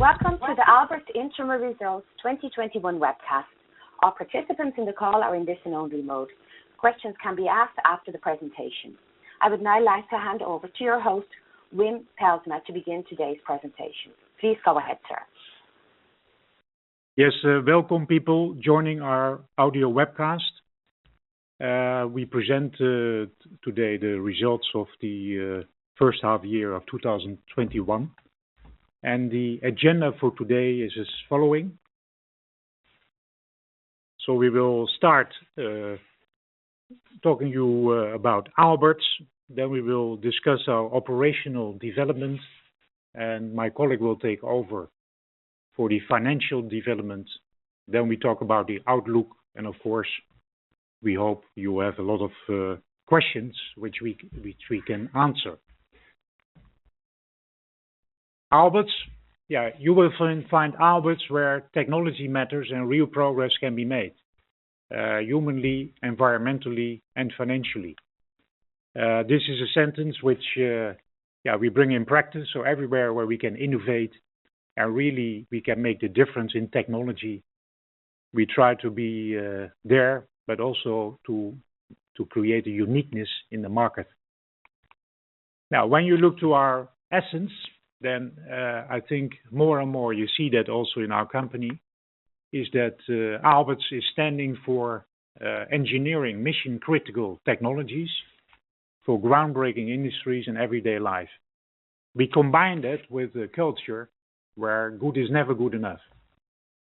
Welcome to the Aalberts Interim Results 2021 webcast. All participants in the call are in listen-only mode. Questions can be asked after the presentation. I would now like to hand over to your host, Wim Pelsma, to begin today's presentation. Please go ahead, sir. Yes, welcome people joining our audio webcast. We present today the results of the first half year of 2021. The agenda for today is as following. We will start talking to you about Aalberts. We will discuss our operational developments. My colleague will take over for the financial developments. We talk about the outlook. Of course, we hope you have a lot of questions, which we can answer. Aalberts, you will find Aalberts where technology matters and real progress can be made, humanly, environmentally and financially. This is a sentence which, yeah, we bring in practice. Everywhere where we can innovate and really we can make the difference in technology, we try to be there, but also to create a uniqueness in the market. When you look to our essence, then I think more and more you see that also in our company, is that Aalberts is standing for engineering mission-critical technologies for groundbreaking industries and everyday life. We combine that with a culture where good is never good enough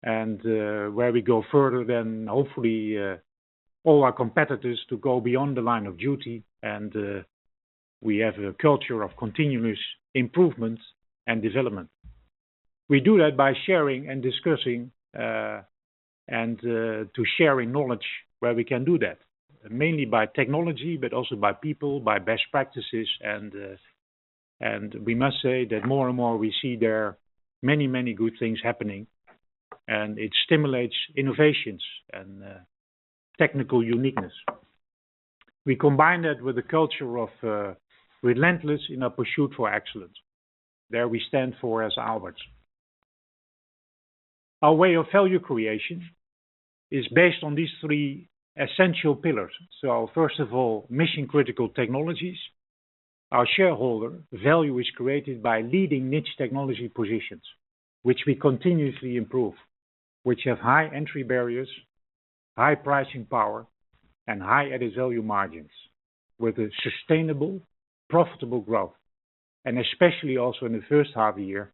and where we go further than hopefully all our competitors to go beyond the line of duty. We have a culture of continuous improvements and development. We do that by sharing and discussing, and to sharing knowledge where we can do that, mainly by technology, but also by people, by best practices, and we must say that more and more we see there are many, many good things happening, and it stimulates innovations and technical uniqueness. We combine that with a culture of relentless in our pursuit for excellence. We stand for as Aalberts. Our way of value creation is based on these three essential pillars. First of all, mission-critical technologies. Our shareholder value is created by leading niche technology positions, which we continuously improve, which have high entry barriers, high pricing power, and high added value margins with a sustainable, profitable growth. Especially also in the first half year,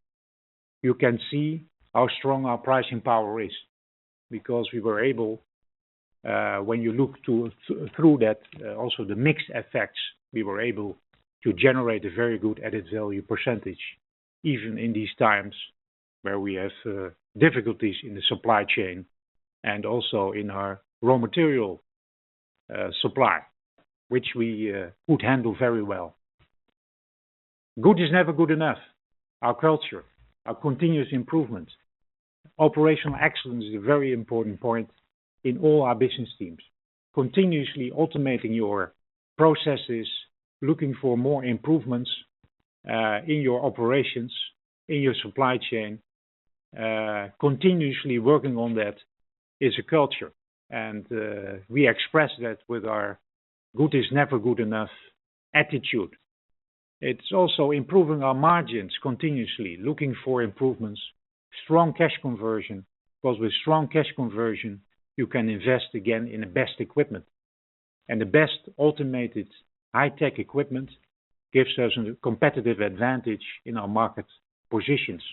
you can see how strong our pricing power is because we were able, when you look through that, also the mix effects, we were able to generate a very good added value percentage, even in these times where we have difficulties in the supply chain and also in our raw material supply, which we could handle very well. Good is never good enough. Our culture, our continuous improvement. Operational excellence is a very important point in all our business teams. Continuously automating your processes, looking for more improvements in your operations, in your supply chain, continuously working on that is a culture. We express that with our good is never good enough attitude. It's also improving our margins continuously, looking for improvements, strong cash conversion, because with strong cash conversion, you can invest again in the best equipment. The best automated high-tech equipment gives us a competitive advantage in our market positions,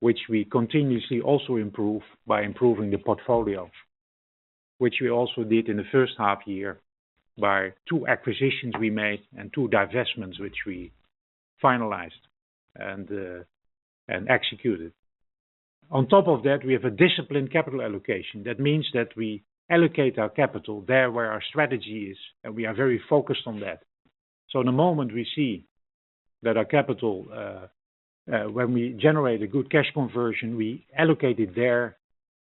which we continuously also improve by improving the portfolio, which we also did in the first half year by two acquisitions we made and two divestments which we finalized and executed. On top of that, we have a disciplined capital allocation. That means that we allocate our capital there where our strategy is. We are very focused on that. The moment we see that our capital, when we generate a good cash conversion, we allocate it there,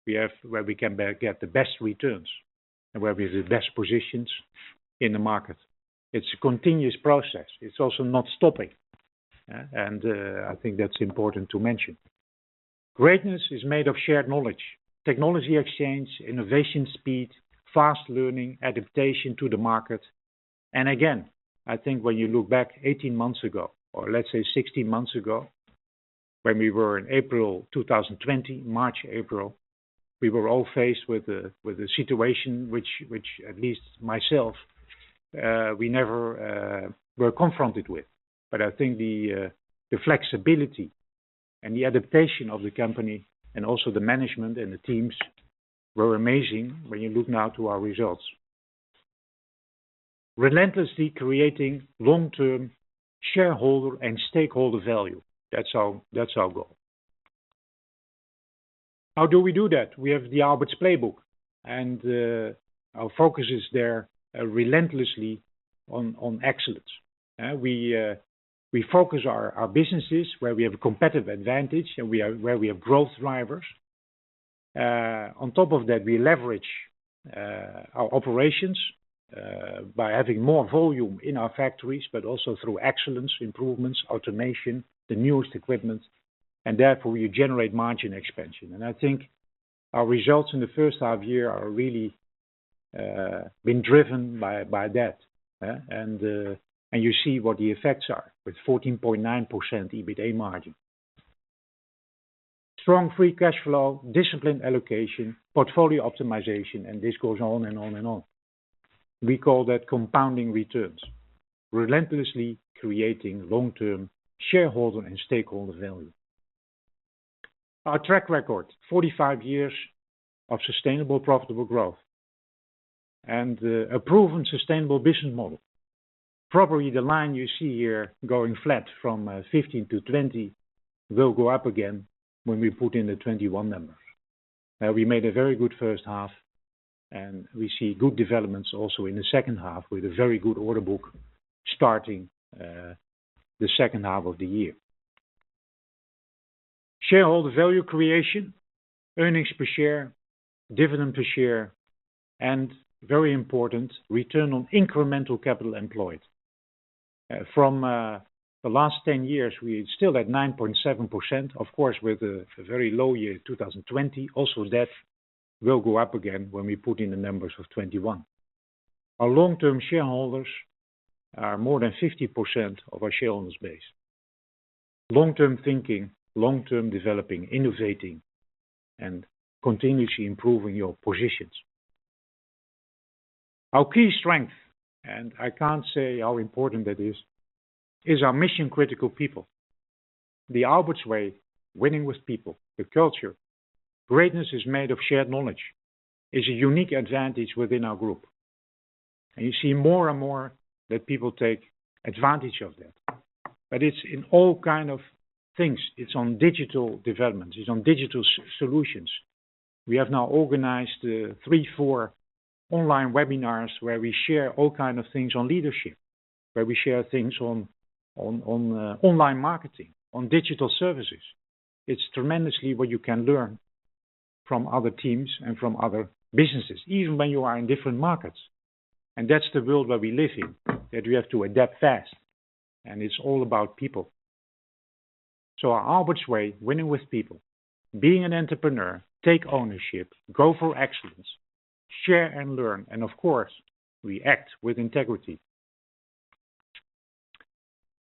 where we can get the best returns and where we have the best positions in the market. It's a continuous process. It's also not stopping, and I think that's important to mention. Greatness is made of shared knowledge, technology exchange, innovation speed, fast learning, adaptation to the market. Again, I think when you look back 18 months ago, or let's say 16 months ago, when we were in April 2020, March, April, we were all faced with a situation which at least myself, we never were confronted with. I think the flexibility and the adaptation of the company and also the management and the teams were amazing when you look now to our results. Relentlessly creating long-term shareholder and stakeholder value. That's our goal. How do we do that? We have the Aalberts playbook. Our focus is there relentlessly on excellence. We focus our businesses where we have a competitive advantage and where we have growth drivers. On top of that, we leverage our operations by adding more volume in our factories, but also through excellence improvements, automation, the newest equipment. Therefore, you generate margin expansion. I think our results in the first half year are really being driven by that. You see what the effects are, with 14.9% EBITA margin. Strong free cash flow, disciplined allocation, portfolio optimization. This goes on and on and on. We call that compounding returns, relentlessly creating long-term shareholder and stakeholder value. Our track record, 45 years of sustainable profitable growth and a proven sustainable business model. Probably the line you see here going flat from 2015 to 2020 will go up again when we put in the 2021 numbers. We made a very good first half and we see good developments also in the second half with a very good order book starting the second half of the year. Shareholder value creation, earnings per share, dividend per share, and very important, return on incremental capital employed. From the last 10 years, we're still at 9.7%, of course, with a very low year 2020. That will go up again when we put in the numbers of 2021. Our long-term shareholders are more than 50% of our shareholders base. Long-term thinking, long-term developing, innovating, and continuously improving your positions. Our key strength, I can't say how important that is our mission-critical people. The Aalberts way, winning with people, the culture. Greatness is made of shared knowledge, is a unique advantage within our group. You see more and more that people take advantage of that. It's in all kind of things. It's on digital development, it's on digital solutions. We have now organized three, four online webinars where we share all kind of things on leadership, where we share things on online marketing, on digital services. It's tremendously what you can learn from other teams and from other businesses, even when you are in different markets. That's the world where we live in, that we have to adapt fast. It's all about people. Our Aalberts way, winning with people. Being an entrepreneur, take ownership, go for excellence, share and learn, and of course, we act with integrity.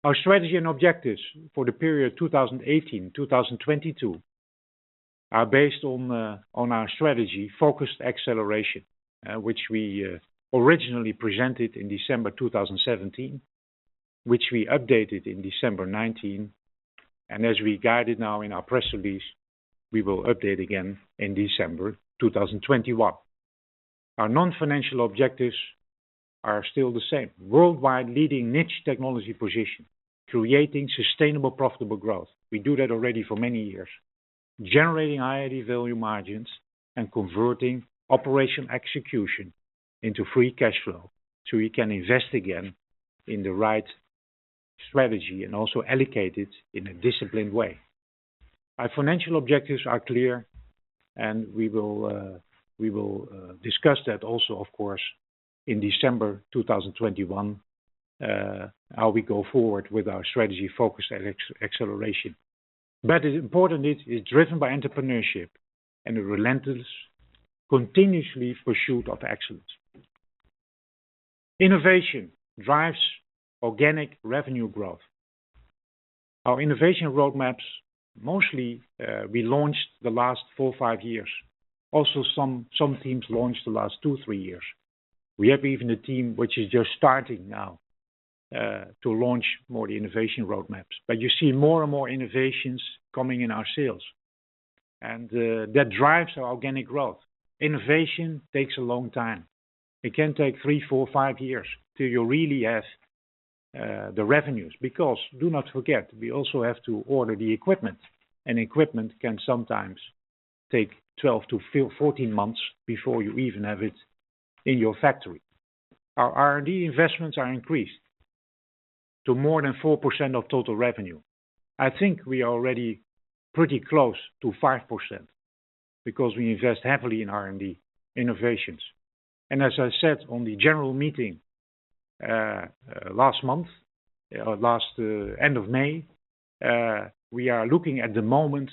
Our strategy and objectives for the period 2018-2022 are based on our strategy, Focused Acceleration, which we originally presented in December 2017, which we updated in December 2019. As we guided now in our press release, we will update again in December 2021. Our non-financial objectives are still the same. Worldwide leading niche technology position, creating sustainable profitable growth. We do that already for many years. Generating higher value margins and converting operation execution into free cash flow so we can invest again in the right strategy and also allocate it in a disciplined way. Our financial objectives are clear, and we will discuss that also of course, in December 2021, how we go forward with our strategy Focused Acceleration. It's important, it is driven by entrepreneurship and a relentless continuous pursuit of excellence. Innovation drives organic revenue growth. Our innovation roadmaps, mostly we launched the last four, five years. Some teams launched the last two, three years. We have even a team which is just starting now to launch more the innovation roadmaps. You see more and more innovations coming in our sales, and that drives our organic growth. Innovation takes a long time. It can takethree, four, five years till you really have the revenues because, do not forget, we also have to order the equipment, and equipment can sometimes take 12 to 14 months before you even have it in your factory. Our R&D investments are increased to more than 4% of total revenue. I think we are already pretty close to 5% because we invest heavily in R&D innovations. As I said on the general meeting last month, end of May, we are looking at the moment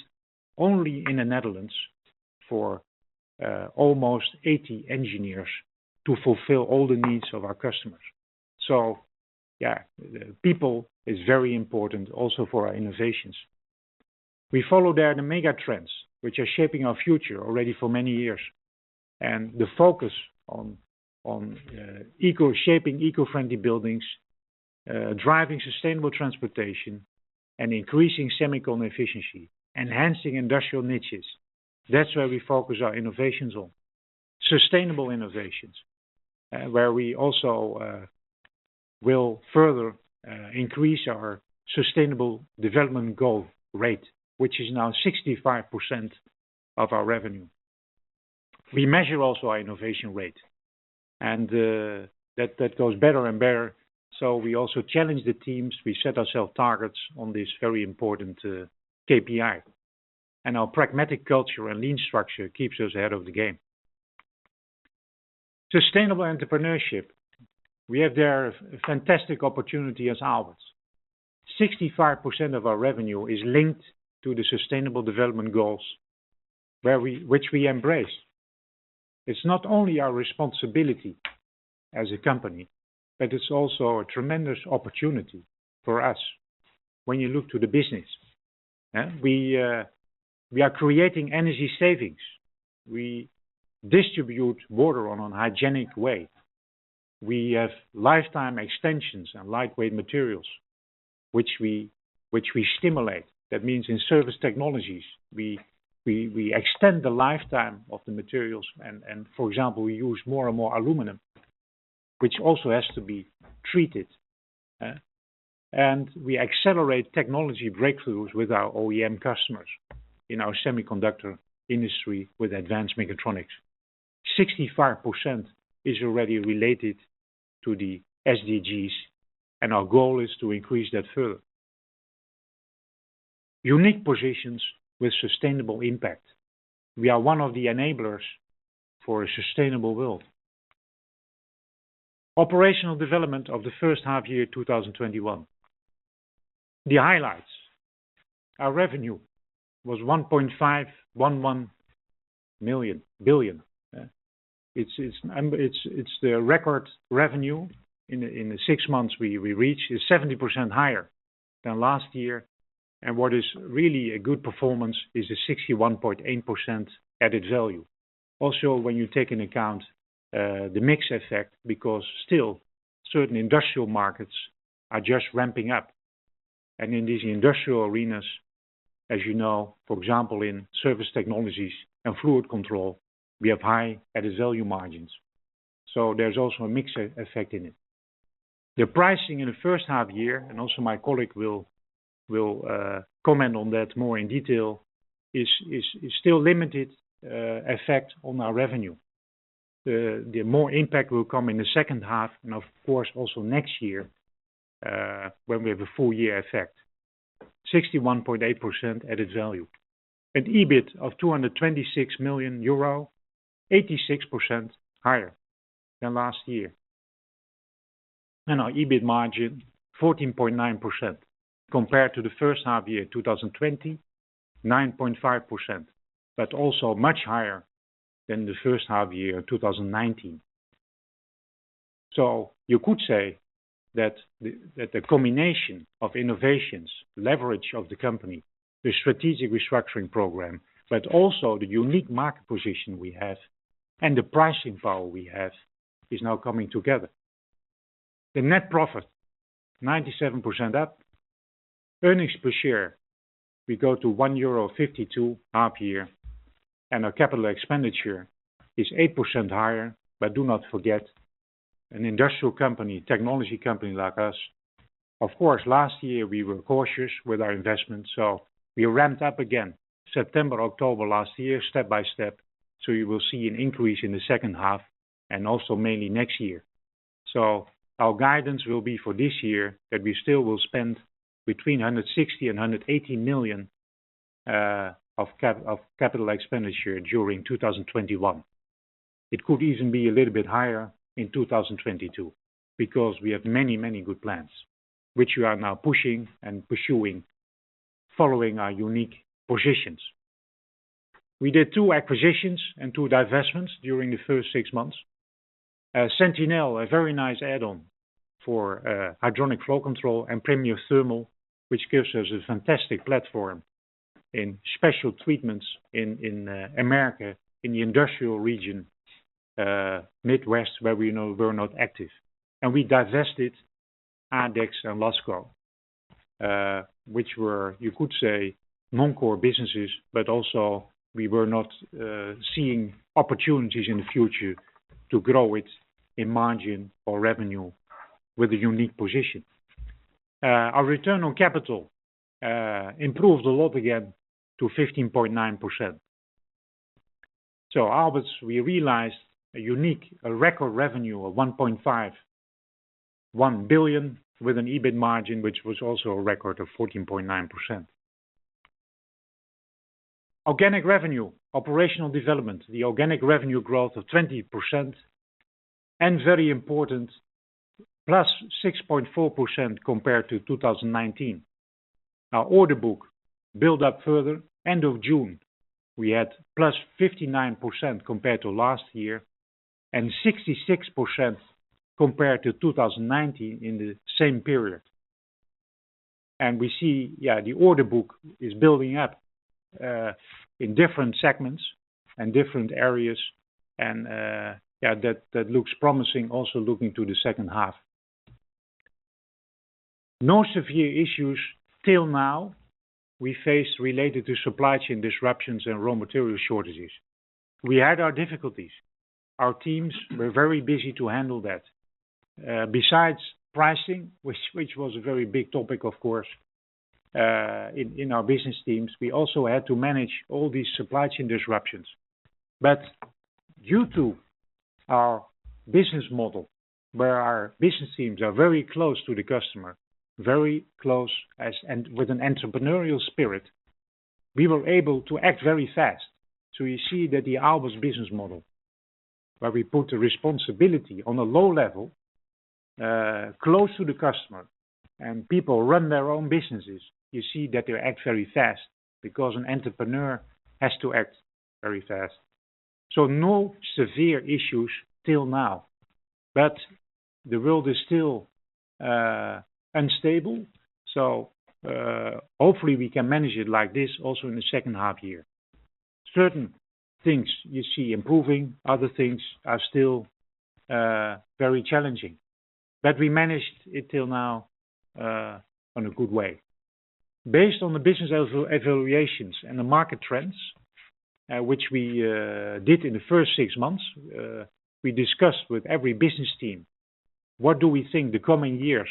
only in the Netherlands for almost 80 engineers to fulfill all the needs of our customers. Yeah, people is very important also for our innovations. We follow there the mega trends, which are shaping our future already for many years, and the focus on shaping eco-friendly buildings, driving sustainable transportation, and increasing semiconductor efficiency, enhancing industrial niches. That's where we focus our innovations on. Sustainable innovations, where we also will further increase our Sustainable Development Goal rate, which is now 65% of our revenue. We measure also our innovation rate, and that goes better and better. We also challenge the teams. We set ourselves targets on this very important KPI. Our pragmatic culture and lean structure keeps us ahead of the game. Sustainable entrepreneurship, we have there a fantastic opportunity as Aalberts. 65% of our revenue is linked to the Sustainable Development Goals which we embrace. It's not only our responsibility as a company, but it's also a tremendous opportunity for us when you look to the business. We are creating energy savings. We distribute water in a hygienic way. We have lifetime extensions and lightweight materials, which we stimulate. That means in service technologies, we extend the lifetime of the materials and, for example, we use more and more aluminum, which also has to be treated. We accelerate technology breakthroughs with our OEM customers in our semiconductor industry with advanced mechatronics. 65% is already related to the SDGs, and our goal is to increase that further. Unique positions with sustainable impact. We are one of the enablers for a sustainable world. Operational development of the first half year 2021. The highlights. Our revenue was 1.511 billion. It's the record revenue in the six months we reach, is 70% higher than last year. What is really a good performance is a 61.8% added value. Also, when you take into account the mix effect because still certain industrial markets are just ramping up, and in these industrial arenas, as you know, for example, in surface technologies and fluid control, we have high added value margins. There's also a mix effect in it. The pricing in the first half year, and also my colleague will comment on that more in detail, is still limited effect on our revenue. The more impact will come in the second half and, of course, also next year, when we have a full year effect. 61.8% added value. An EBIT of 226 million euro, 86% higher than last year. Our EBIT margin, 14.9% compared to the first half year 2020, 9.5%, but also much higher than the first half year 2019. You could say that the combination of innovations, leverage of the company, the strategic restructuring program, but also the unique market position we have and the pricing power we have, is now coming together. The net profit, 97% up. Earnings per share, we go to 1.52 euro half year, our capital expenditure is 8% higher. Do not forget, an industrial company, technology company like us, of course, last year, we were cautious with our investments, we ramped up again September, October last year, step by step. You will see an increase in the second half and also mainly next year. Our guidance will be for this year that we still will spend between 160 million-180 million of capital expenditure during 2021. It could even be a little bit higher in 2022 because we have many, many good plans, which we are now pushing and pursuing, following our unique positions. We did two acquisitions and two divestments during the first six months. Sentinel, a very nice add-on for hydronic flow control, and Premier Thermal Solutions, which gives us a fantastic platform in special treatments in America, in the industrial region, Midwest, where we know we're not active. We divested Adex and Lasco, which were, you could say, non-core businesses, but also we were not seeing opportunities in the future to grow it in margin or revenue with a unique position. Our return on capital improved a lot again to 15.9%. Aalberts, we realized a unique, record revenue of 1.51 billion with an EBIT margin, which was also a record of 14.9%. Organic revenue, operational development, the organic revenue growth of 20%, +6.4% compared to 2019. Our order book built up further. End of June, we had +59% compared to last year and 66% compared to 2019 in the same period. We see the order book is building up in different segments and different areas, and that looks promising also looking to the second half. No severe issues till now we face related to supply chain disruptions and raw material shortages. We had our difficulties. Our teams were very busy to handle that. Besides pricing, which was a very big topic, of course, in our business teams, we also had to manage all these supply chain disruptions. Due to our business model, where our business teams are very close to the customer and with an entrepreneurial spirit, we were able to act very fast. You see that the Aalberts business model, where we put the responsibility on a low level, close to the customer, and people run their own businesses, you see that they act very fast because an entrepreneur has to act very fast. No severe issues till now. The world is still unstable, hopefully we can manage it like this also in the second half year. Certain things you see improving, other things are still very challenging. We managed it till now in a good way. Based on the business evaluations and the market trends, which we did in the first six months, we discussed with every business team, what do we think the coming years,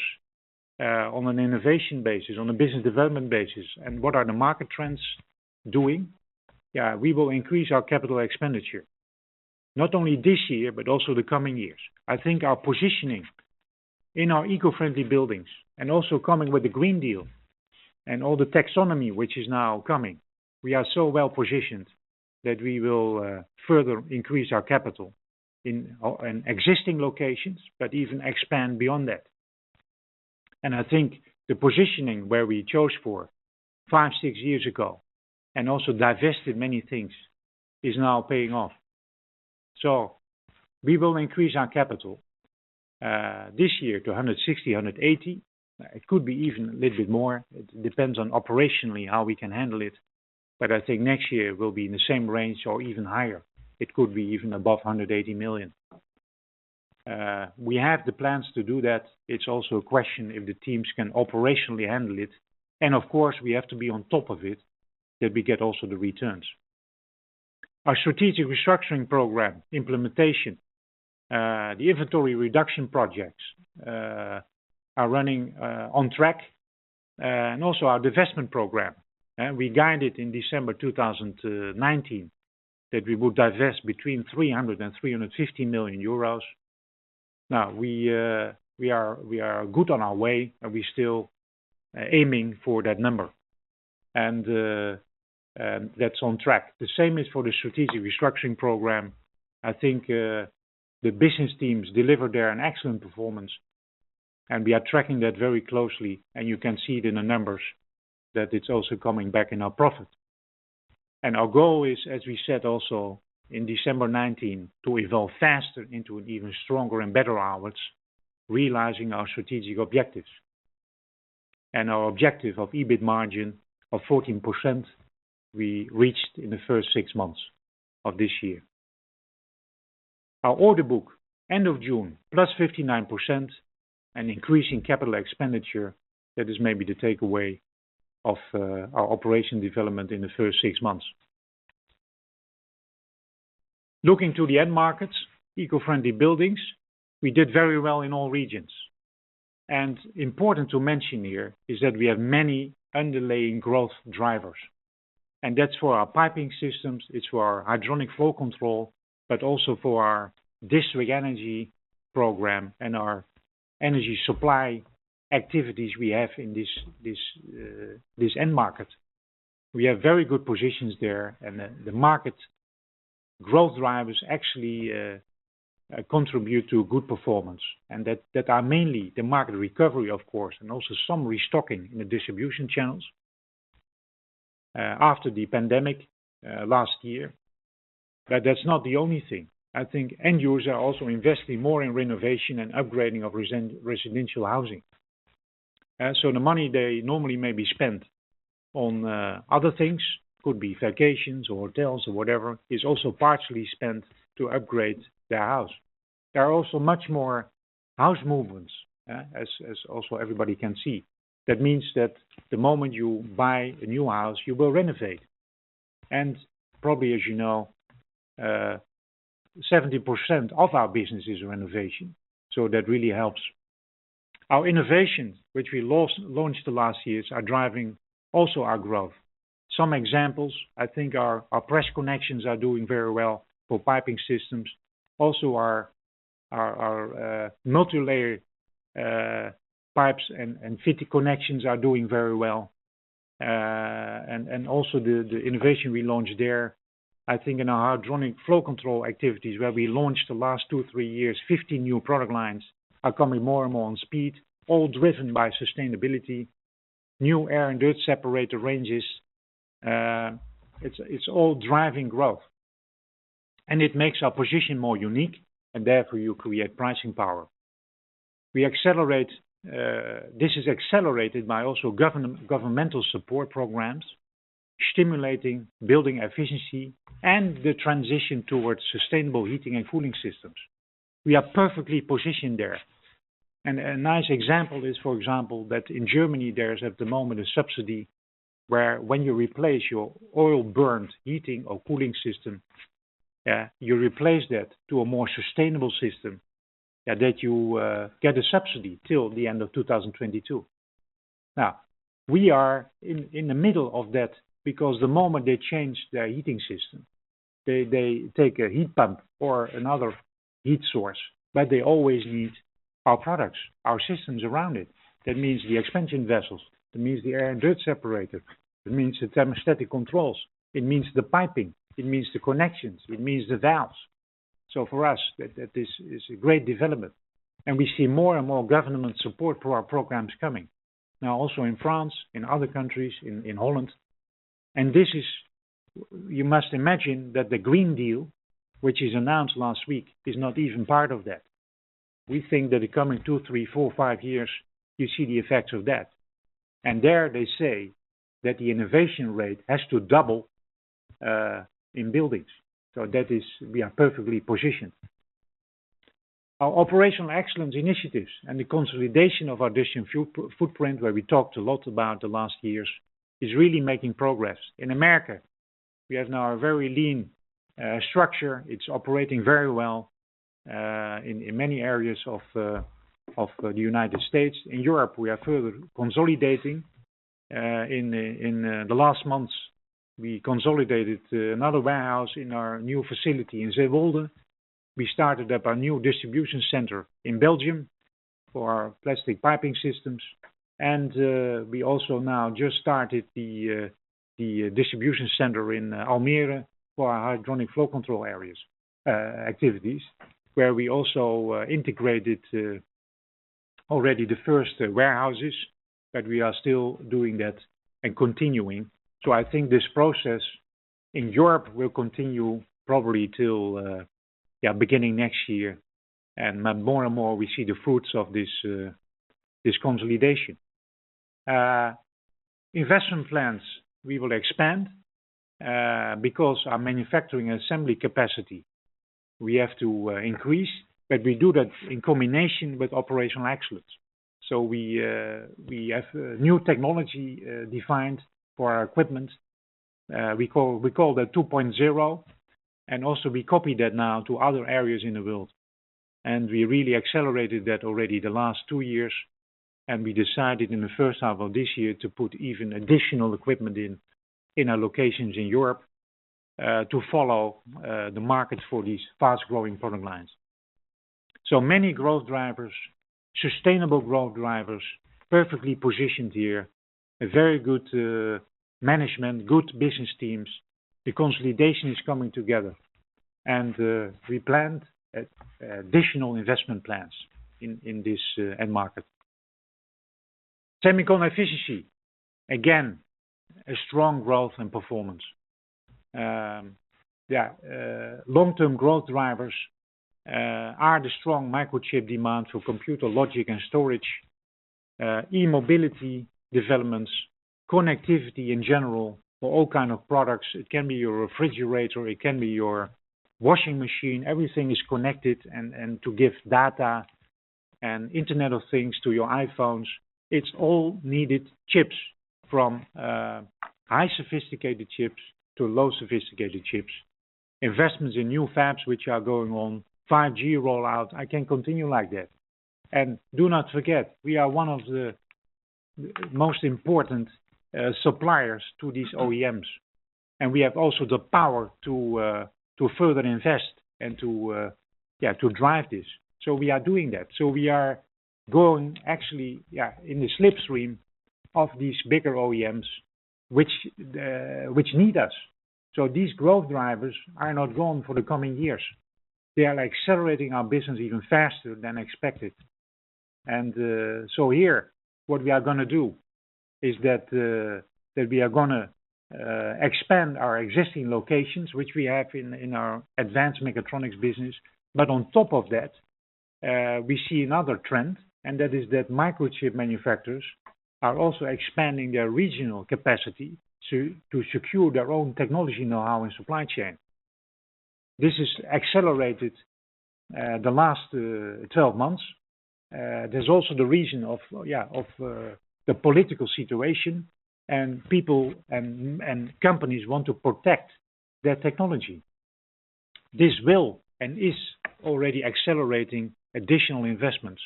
on an innovation basis, on a business development basis, and what are the market trends doing? We will increase our capital expenditure, not only this year, but also the coming years. I think our positioning in our eco-friendly buildings and also coming with the Green Deal and all the taxonomy which is now coming, we are so well-positioned that we will further increase our capital in existing locations, but even expand beyond that. I think the positioning where we chose for five, six years ago and also divested many things, is now paying off. We will increase our capital this year to 160 million, 180 million. It could be even a little bit more. It depends on operationally how we can handle it, but I think next year will be in the same range or even higher. It could be even above 180 million. We have the plans to do that. It is also a question if the teams can operationally handle it, and of course, we have to be on top of it that we get also the returns. Our strategic restructuring program implementation, the inventory reduction projects are running on track, and also our divestment program. We guided in December 2019, that we would divest between 300 million euros and EUR 350 million. Now, we are good on our way, and we still aiming for that number. That's on track. The same is for the strategic restructuring program. I think, the business teams delivered there an excellent performance, and we are tracking that very closely, and you can see it in the numbers that it's also coming back in our profit. Our goal is, as we said also in December 2019, to evolve faster into an even stronger and better Aalberts, realizing our strategic objectives. Our objective of EBIT margin of 14%, we reached in the first six months of this year. Our order book, end of June, +59%, an increase in CapEx that is maybe the takeaway of our operation development in the first six months. Looking to the end markets, eco-friendly buildings, we did very well in all regions. Important to mention here is that we have many underlying growth drivers, and that's for our piping systems, it's for our hydronic flow control, but also for our district energy program and our energy supply activities we have in this end market. We have very good positions there and the market growth drivers actually contribute to good performance and that are mainly the market recovery, of course, and also some restocking in the distribution channels after the pandemic last year. That's not the only thing. I think end users are also investing more in renovation and upgrading of residential housing. The money they normally may be spent on other things, could be vacations or hotels or whatever, is also partially spent to upgrade their house. There are also much more house movements, as also everybody can see. That means that the moment you buy a new house, you will renovate. Probably, as you know, 70% of our business is renovation, so that really helps. Our innovations, which we launched the last years, are driving also our growth. Some examples, I think our press connections are doing very well for piping systems. Our multilayer pipes and fitted connections are doing very well. Also the innovation we launched there, I think in our hydronic flow control activities where we launched the last two, three years, 50 new product lines are coming more and more on speed, all driven by sustainability, new air and dirt separator ranges. It's all driving growth, and it makes our position more unique and therefore you create pricing power. This is accelerated by also governmental support programs, stimulating building efficiency and the transition towards sustainable heating and cooling systems. We are perfectly positioned there. A nice example is, for example, that in Germany there is at the moment a subsidy where when you replace your oil-burnt heating or cooling system. You replace that to a more sustainable system that you get a subsidy till the end of 2022. We are in the middle of that because the moment they change their heating system, they take a heat pump or another heat source, but they always need our products, our systems around it. That means the expansion vessels. That means the air and dirt separator. That means the thermostatic controls. It means the piping. It means the connections. It means the valves. For us, this is a great development and we see more and more government support for our programs coming now also in France, in other countries, in Holland. You must imagine that the Green Deal, which is announced last week, is not even part of that. We think that the coming two, three, four, five years, you see the effects of that. There they say that the innovation rate has to double in buildings. We are perfectly positioned. Our operational excellence initiatives and the consolidation of our distribution footprint, where we talked a lot about the last years, is really making progress. In the U.S., we have now a very lean structure. It's operating very well in many areas of the U.S. In Europe, we are further consolidating. In the last months, we consolidated another warehouse in our new facility in Zeewolde. We started up a new distribution center in Belgium for our plastic piping systems. We also now just started the distribution center in Almere for our hydronic flow control activities, where we also integrated already the first warehouses, but we are still doing that and continuing. I think this process in Europe will continue probably till beginning next year, and more and more we see the fruits of this consolidation. Investment plans, we will expand because our manufacturing and assembly capacity, we have to increase, but we do that in combination with operational excellence. We have new technology defined for our equipment. We call that 2.0, and also we copy that now to other areas in the world, and we really accelerated that already the last two years, and we decided in the first half of this year to put even additional equipment in our locations in Europe to follow the market for these fast-growing product lines. Many growth drivers, sustainable growth drivers, perfectly positioned here, a very good management, good business teams. The consolidation is coming together and we planned additional investment plans in this end market. Semiconductor efficiency, again, a strong growth and performance. Long-term growth drivers are the strong microchip demand for computer logic and storage, e-mobility developments, connectivity in general for all kind of products. It can be your refrigerator, it can be your washing machine, everything is connected, and to give data and Internet of Things to your iPhones, it's all needed chips from high sophisticated chips to low sophisticated chips, investments in new fabs which are going on, 5G rollout. I can continue like that. Do not forget, we are one of the most important suppliers to these OEMs, and we have also the power to further invest and to drive this. We are doing that. We are going actually in the slipstream of these bigger OEMs which need us. These growth drivers are not gone for the coming years. They are accelerating our business even faster than expected. Here, what we are going to do is that we are going to expand our existing locations, which we have in our advanced mechatronics business. On top of that, we see another trend, and that is that microchip manufacturers are also expanding their regional capacity to secure their own technology know-how and supply chain. This has accelerated the last 12 months. There's also the reason of the political situation, and people and companies want to protect their technology. This will and is already accelerating additional investments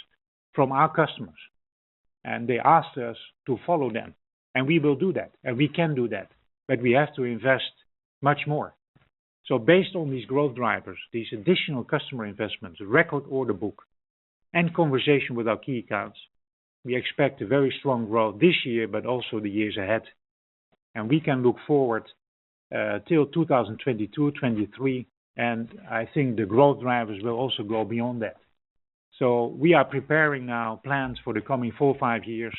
from our customers, and they asked us to follow them, and we will do that, and we can do that, but we have to invest much more. Based on these growth drivers, these additional customer investments, record order book, and conversation with our key accounts, we expect a very strong growth this year, but also the years ahead. We can look forward till 2022, 2023, and I think the growth drivers will also go beyond that. We are preparing now plans for the coming four, five years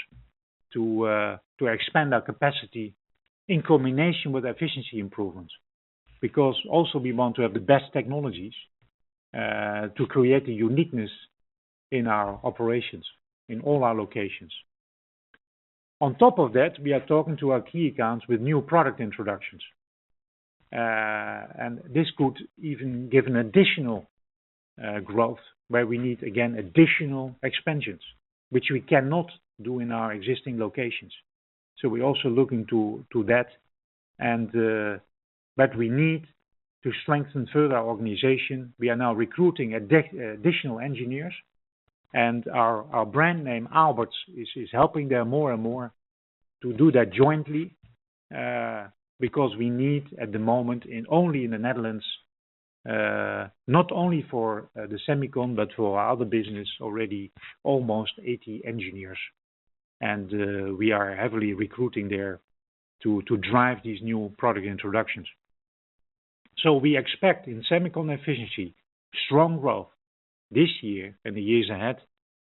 to expand our capacity in combination with efficiency improvements, because also we want to have the best technologies to create a uniqueness in our operations in all our locations. On top of that, we are talking to our key accounts with new product introductions. This could even give an additional growth, where we need, again, additional expansions, which we cannot do in our existing locations. We are also looking to that. We need to strengthen further our organization. We are now recruiting additional engineers, and our brand name, Aalberts, is helping there more and more to do that jointly, because we need, at the moment, only in the Netherlands, not only for the semicon, but for other business already, almost 80 engineers. We are heavily recruiting there to drive these new product introductions. We expect, in semicon efficiency, strong growth this year and the years ahead,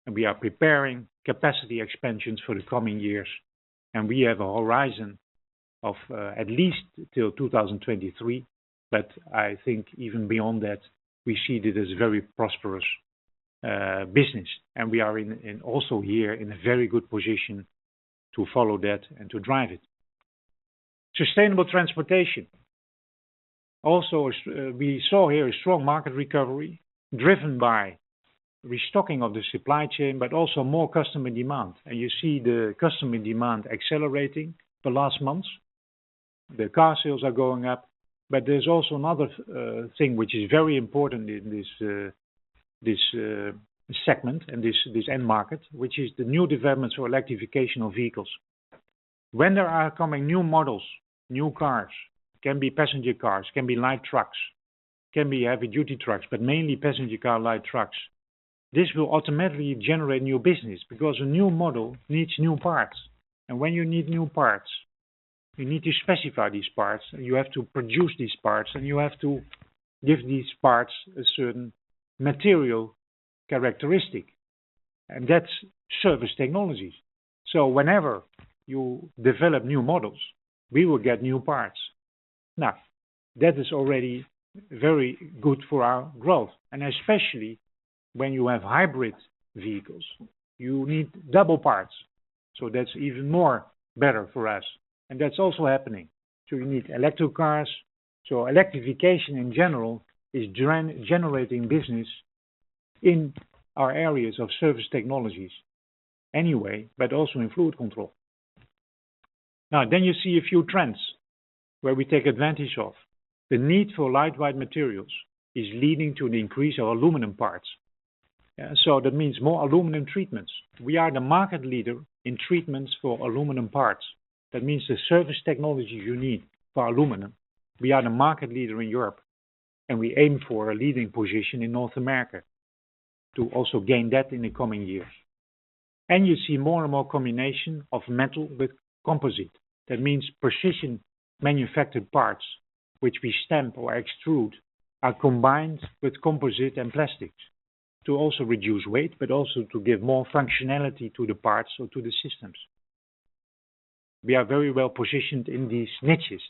and we are preparing capacity expansions for the coming years. We have a horizon of at least till 2023, but I think even beyond that, we see it as a very prosperous business. We are also here in a very good position to follow that and to drive it. Sustainable transportation. We saw here a strong market recovery driven by restocking of the supply chain, but also more customer demand. You see the customer demand accelerating the last months. The car sales are going up, but there's also another thing which is very important in this segment and this end market, which is the new developments for electrification of vehicles. When there are coming new models, new cars, can be passenger cars, can be light trucks, can be heavy-duty trucks, but mainly passenger car, light trucks. This will automatically generate new business because a new model needs new parts. When you need new parts, you need to specify these parts, and you have to produce these parts, and you have to give these parts a certain material characteristic. That's surface technologies. Whenever you develop new models, we will get new parts. That is already very good for our growth. Especially when you have hybrid vehicles, you need double parts. That's even more better for us. That's also happening. You need electric cars. Electrification, in general, is generating business in our areas of surface technologies anyway, but also in fluid control. You see a few trends where we take advantage of. The need for lightweight materials is leading to an increase of aluminum parts. That means more aluminum treatments. We are the market leader in treatments for aluminum parts. That means the surface technologies you need for aluminum, we are the market leader in Europe, and we aim for a leading position in North America to also gain that in the coming years. You see more and more combination of metal with composite. That means precision manufactured parts, which we stamp or extrude, are combined with composite and plastics to also reduce weight, but also to give more functionality to the parts or to the systems. We are very well positioned in these niches.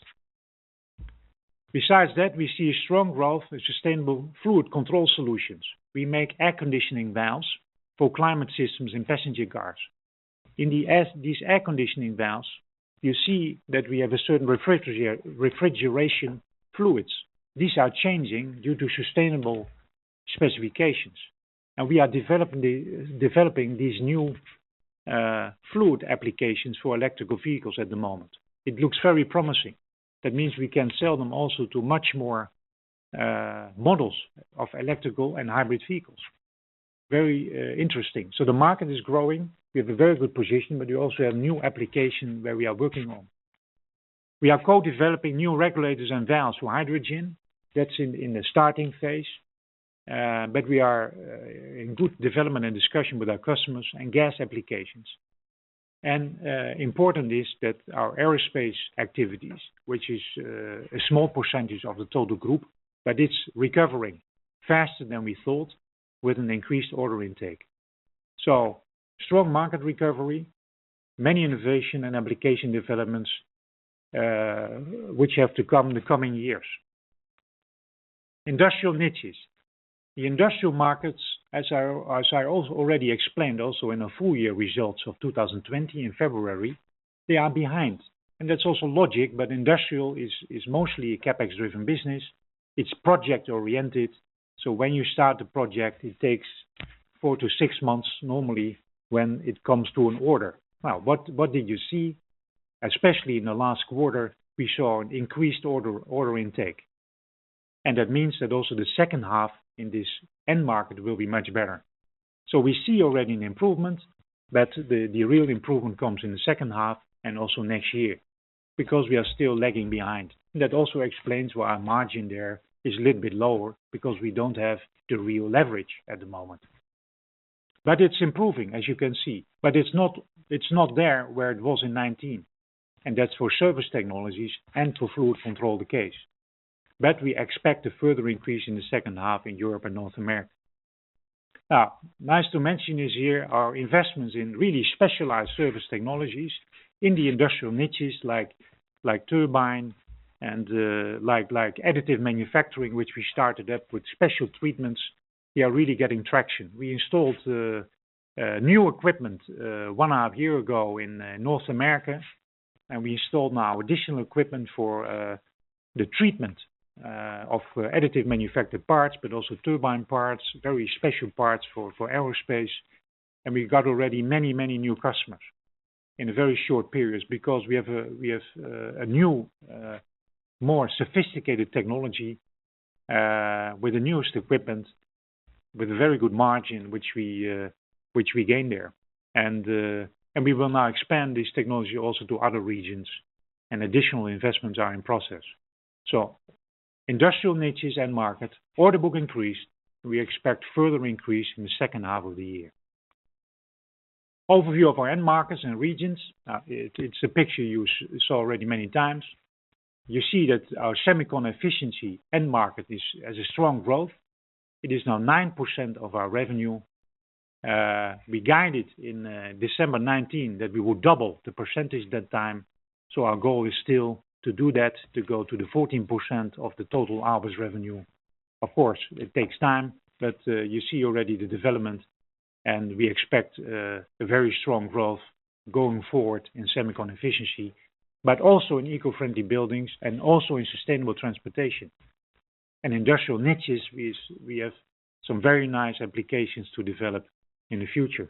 Besides that, we see a strong growth in sustainable fluid control solutions. We make air conditioning valves for climate systems in passenger cars. In these air conditioning valves, you see that we have certain refrigeration fluids. These are changing due to sustainable specifications. We are developing these new fluid applications for electric vehicles at the moment. It looks very promising. We can sell them also to much more models of electric and hybrid vehicles. Very interesting. The market is growing. We have a very good position, but we also have new applications where we are working on. We are co-developing new regulators and valves for hydrogen. That's in the starting phase. We are in good development and discussion with our customers and gas applications. Important is that our aerospace activities, which is a small percentage of the total group, but it's recovering faster than we thought with an increased order intake. Strong market recovery, many innovation and application developments, which have to come the coming years. Industrial niches. The industrial markets, as I already explained also in the full year results of 2020 in February, they are behind. That's also logic, industrial is mostly a CapEx-driven business. It's project-oriented. When you start a project, it takes four to six months normally when it comes to an order. Now, what did you see? Especially in the last quarter, we saw an increased order intake. That means that also the second half in this end market will be much better. We see already an improvement, the real improvement comes in the second half and also next year because we are still lagging behind. That also explains why our margin there is a little bit lower because we don't have the real leverage at the moment. It's improving, as you can see, but it's not there where it was in 2019, and that's for surface technologies and for fluid control the case. We expect a further increase in the second half in Europe and North America. Nice to mention is here our investments in really specialized surface technologies in the industrial niches like turbine and like additive manufacturing, which we started up with special treatments. They are really getting traction. We installed new equipment one and a half years ago in North America. We installed now additional equipment for the treatment of additive manufactured parts, but also turbine parts, very special parts for aerospace. We got already many, many new customers in a very short period because we have a new, more sophisticated technology with the newest equipment, with a very good margin, which we gain there. We will now expand this technology also to other regions, and additional investments are in process. Industrial niches end market, order book increased. We expect further increase in the second half of the year. Overview of our end markets and regions. It's a picture you saw already many times. You see that our semicon efficiency end market has a strong growth. It is now 9% of our revenue. We guided in December 2019 that we would double the percentage that time. Our goal is still to do that, to go to the 14% of the total Aalberts revenue. Of course, it takes time, but you see already the development, and we expect a very strong growth going forward in semicon efficiency, but also in eco-friendly buildings and also in sustainable transportation. In industrial niches, we have some very nice applications to develop in the future.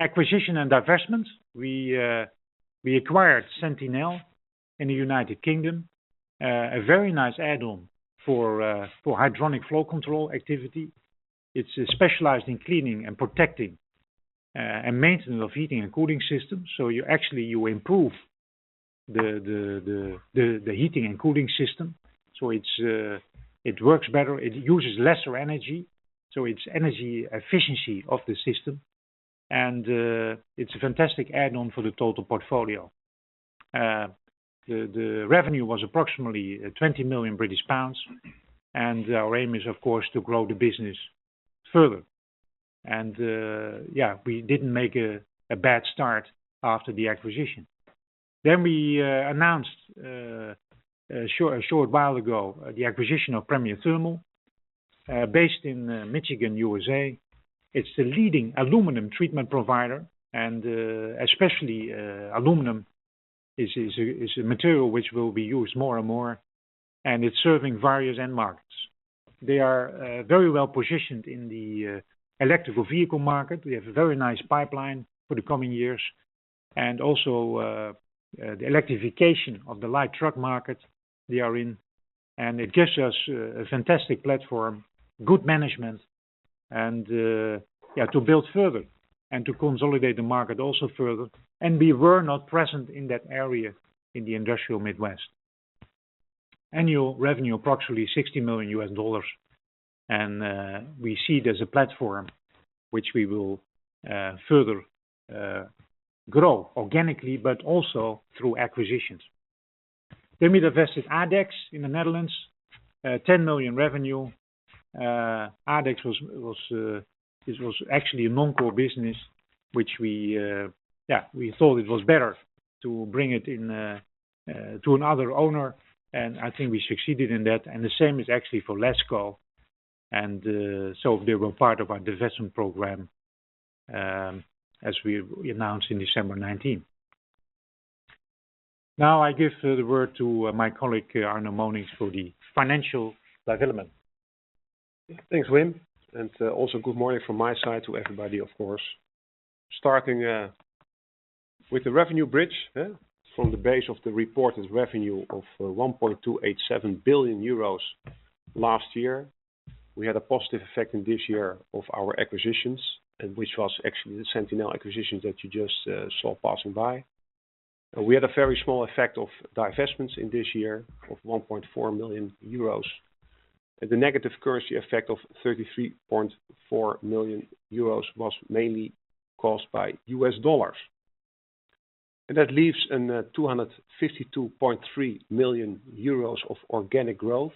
Acquisition and divestment. We acquired Sentinel in the U.K., a very nice add-on for hydronic flow control activity. It's specialized in cleaning and protecting and maintenance of heating and cooling systems. Actually, you improve the heating and cooling system. It works better. It uses lesser energy, it's energy efficiency of the system. It's a fantastic add-on for the total portfolio. The revenue was approximately 20 million British pounds, our aim is, of course, to grow the business further. Yeah, we didn't make a bad start after the acquisition. We announced a short while ago the acquisition of Premier Thermal, based in Michigan, U.S.A. It's the leading aluminum treatment provider, especially, aluminum is a material which will be used more and more, it's serving various end markets. They are very well-positioned in the electrical vehicle market. We have a very nice pipeline for the coming years and also the electrification of the light truck market they are in. It gives us a fantastic platform, good management, to build further and to consolidate the market also further. We were not present in that area in the industrial Midwest. Annual revenue, approximately $60 million. We see it as a platform which we will further grow organically, but also through acquisitions. We divested Adex in the Netherlands, EUR 10 million revenue. Adex, this was actually a non-core business, which we thought it was better to bring it to another owner, and I think we succeeded in that. The same is actually for Lasco. They were part of our divestment program as we announced in December 2019. Now I give the word to my colleague, Arno Monincx, for the financial development. Thanks, Wim. Also good morning from my side to everybody, of course. Starting with the revenue bridge. From the base of the reported revenue of 1.287 billion euros last year, we had a positive effect in this year of our acquisitions which was actually the Sentinel acquisitions that you just saw passing by. We had a very small effect of divestments in this year of 1.4 million euros. The negative currency effect of 33.4 million euros was mainly caused by U.S. dollars. That leaves an 252.3 million euros of organic growth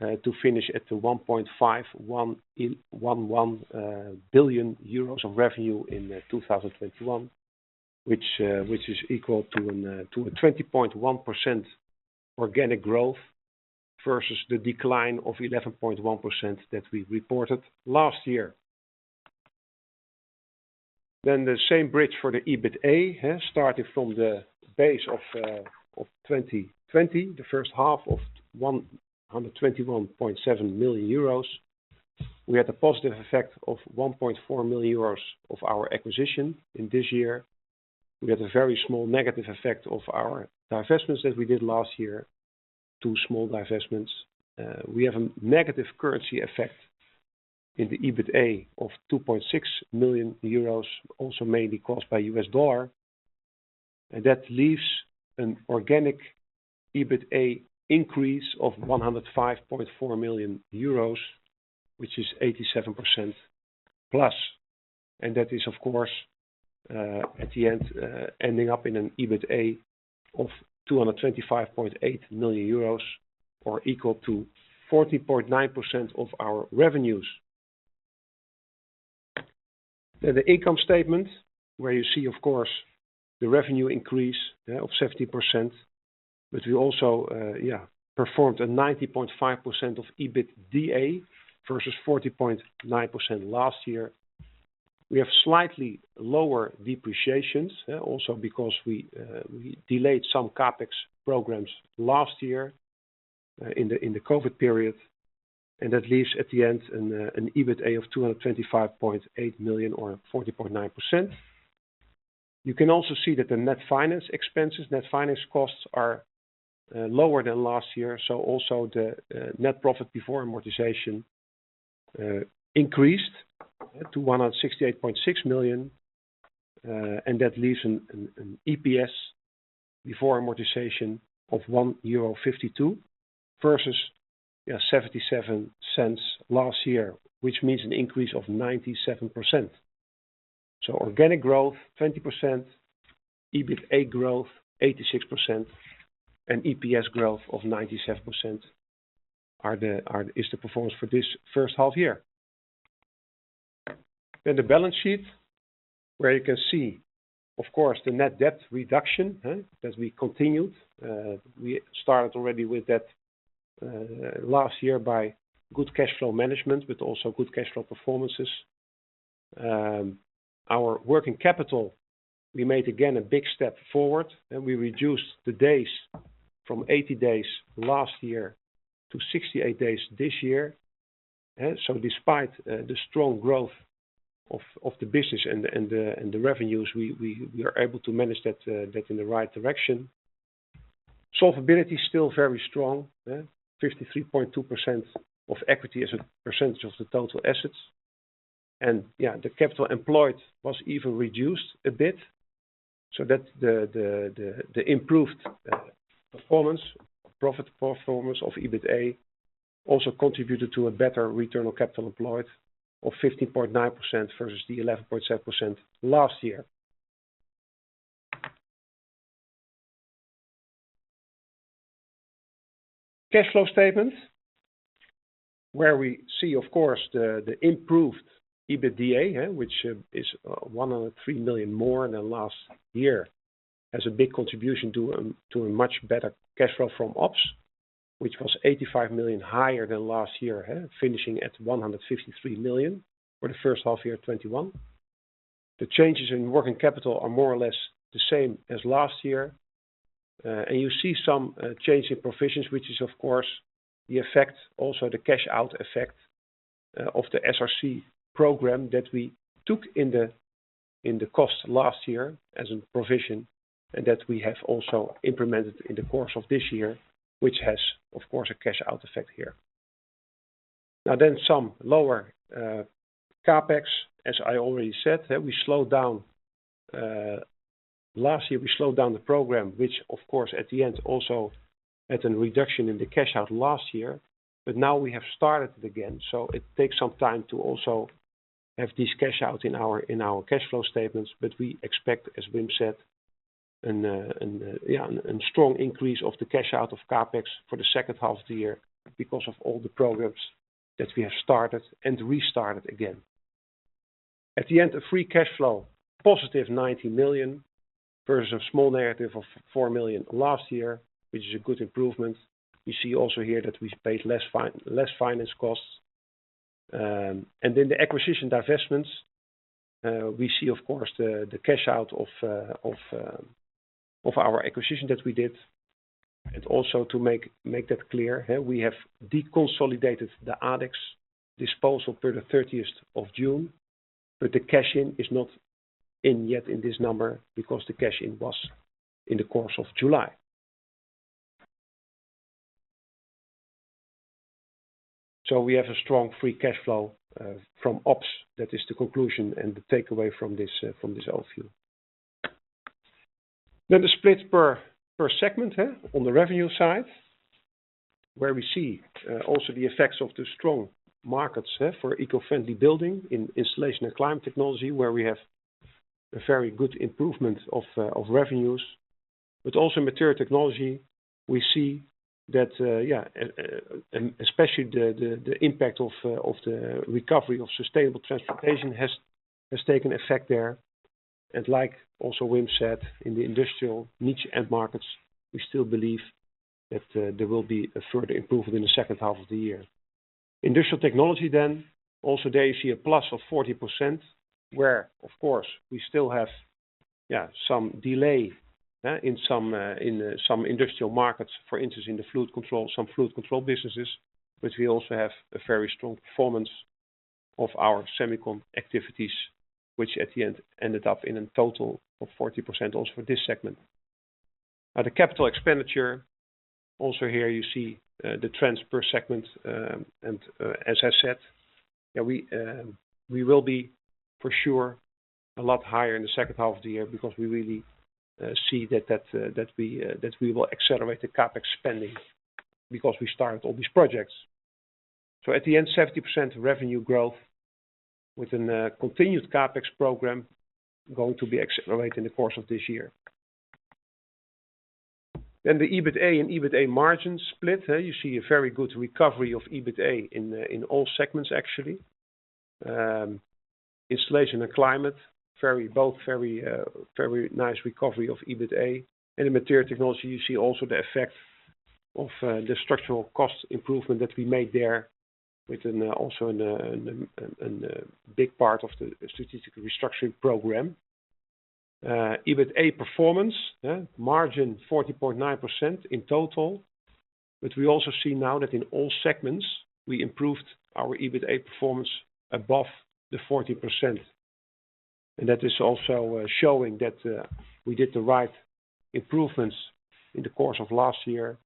to finish at the 1.511 billion euros of revenue in 2021, which is equal to a 20.1% organic growth versus the decline of 11.1% that we reported last year. The same bridge for the EBITA starting from the base of 2020, the first half of 121.7 million euros. We had a positive effect of 1.4 million euros of our acquisition in this year. We had a very small negative effect of our divestments that we did last year, two small divestments. We have a negative currency effect in the EBITA of 2.6 million euros, also mainly caused by U.S. dollar. That leaves an organic EBITA increase of 105.4 million euros, which is 87%+, and that is, of course, at the end, ending up in an EBITA of 225.8 million euros or equal to 40.9% of our revenues. The income statement, where you see, of course, the revenue increase of 17%. But we also performed a 90.5% of EBITDA versus 40.9% last year. We have slightly lower depreciations also because we delayed some CapEx programs last year in the COVID period. That leaves at the end an EBITA of 225.8 million or 40.9%. You can also see that the net finance expenses, net finance costs are lower than last year, also the net profit before amortization increased to 168.6 million. That leaves an EPS before amortization of 1.52 euro versus 0.77 last year, which means an increase of 97%. Organic growth 20%, EBITA growth 86%, and EPS growth of 97% is the performance for this first half year. The balance sheet, where you can see, of course, the net debt reduction as we continued. We started already with that last year by good cash flow management, but also good cash flow performances. Our working capital, we made, again, a big step forward and we reduced the days from 80 days last year to 68 days this year. Despite the strong growth of the business and the revenues, we are able to manage that in the right direction. Solvability is still very strong. 53.2% of equity as a percentage of the total assets. The capital employed was even reduced a bit, so the improved performance, profit performance of EBITA, also contributed to a better return on capital employed of 15.9% versus the 11.7% last year. Cash flow statement, where we see, of course, the improved EBITDA, which is 103 million more than last year, as a big contribution to a much better cash flow from ops, which was 85 million higher than last year, finishing at 153 million for the first half year of 2021. The changes in working capital are more or less the same as last year. You see some change in provisions, which is, of course, the effect also, the cash out effect of the SRC program that we took in the cost last year as a provision and that we have also implemented in the course of this year, which has, of course, a cash out effect here. Some lower CapEx. As I already said, last year, we slowed down the program, which of course at the end also had a reduction in the cash out last year. Now we have started again, so it takes some time to also have this cash out in our cash flow statements. We expect, as Wim said, a strong increase of the cash out of CapEx for the second half of the year because of all the programs that we have started and restarted again. At the end, a free cash flow positive 90 million versus a small negative of 4 million last year, which is a good improvement. We see also here that we paid less finance costs. In the acquisition divestments, we see, of course, the cash out of our acquisition that we did and also to make that clear, we have deconsolidated the Adex disposal per the 30th of June, but the cash-in is not in yet in this number because the cash-in was in the course of July. We have a strong free cash flow from ops. That is the conclusion and the takeaway from this overview. The split per segment on the revenue side, where we see also the effects of the strong markets for eco-friendly buildings in Installation and Climate Technology, where we have a very good improvement of revenues, but also Material Technologies, we see that especially the impact of the recovery of sustainable transportation has taken effect there. Like also Wim said, in the industrial niches, we still believe that there will be a further improvement in the second half of the year. Industrial Technology, also there you see a plus of 40%, where of course we still have some delay in some industrial markets, for instance, in some fluid control. We also have a very strong performance of our semicon, which at the end ended up in a total of 40% also for this segment. The capital expenditure, also here you see the trends per segment, and as I said, we will be for sure a lot higher in the second half of the year because we really see that we will accelerate the CapEx spending because we started all these projects. At the end, 70% revenue growth with a continued CapEx program going to be accelerated in the course of this year. The EBITA and EBITA margin split. You see a very good recovery of EBITA in all segments, actually. Installation and Climate, both very nice recovery of EBITA. In Material Technologies, you see also the effect of the structural cost improvement that we made there within also a big part of the strategic restructuring program. EBITA performance, margin 14.9% in total. We also see now that in all segments, we improved our EBITA performance above the 14%. That is also showing that we did the right improvements in the course of last year.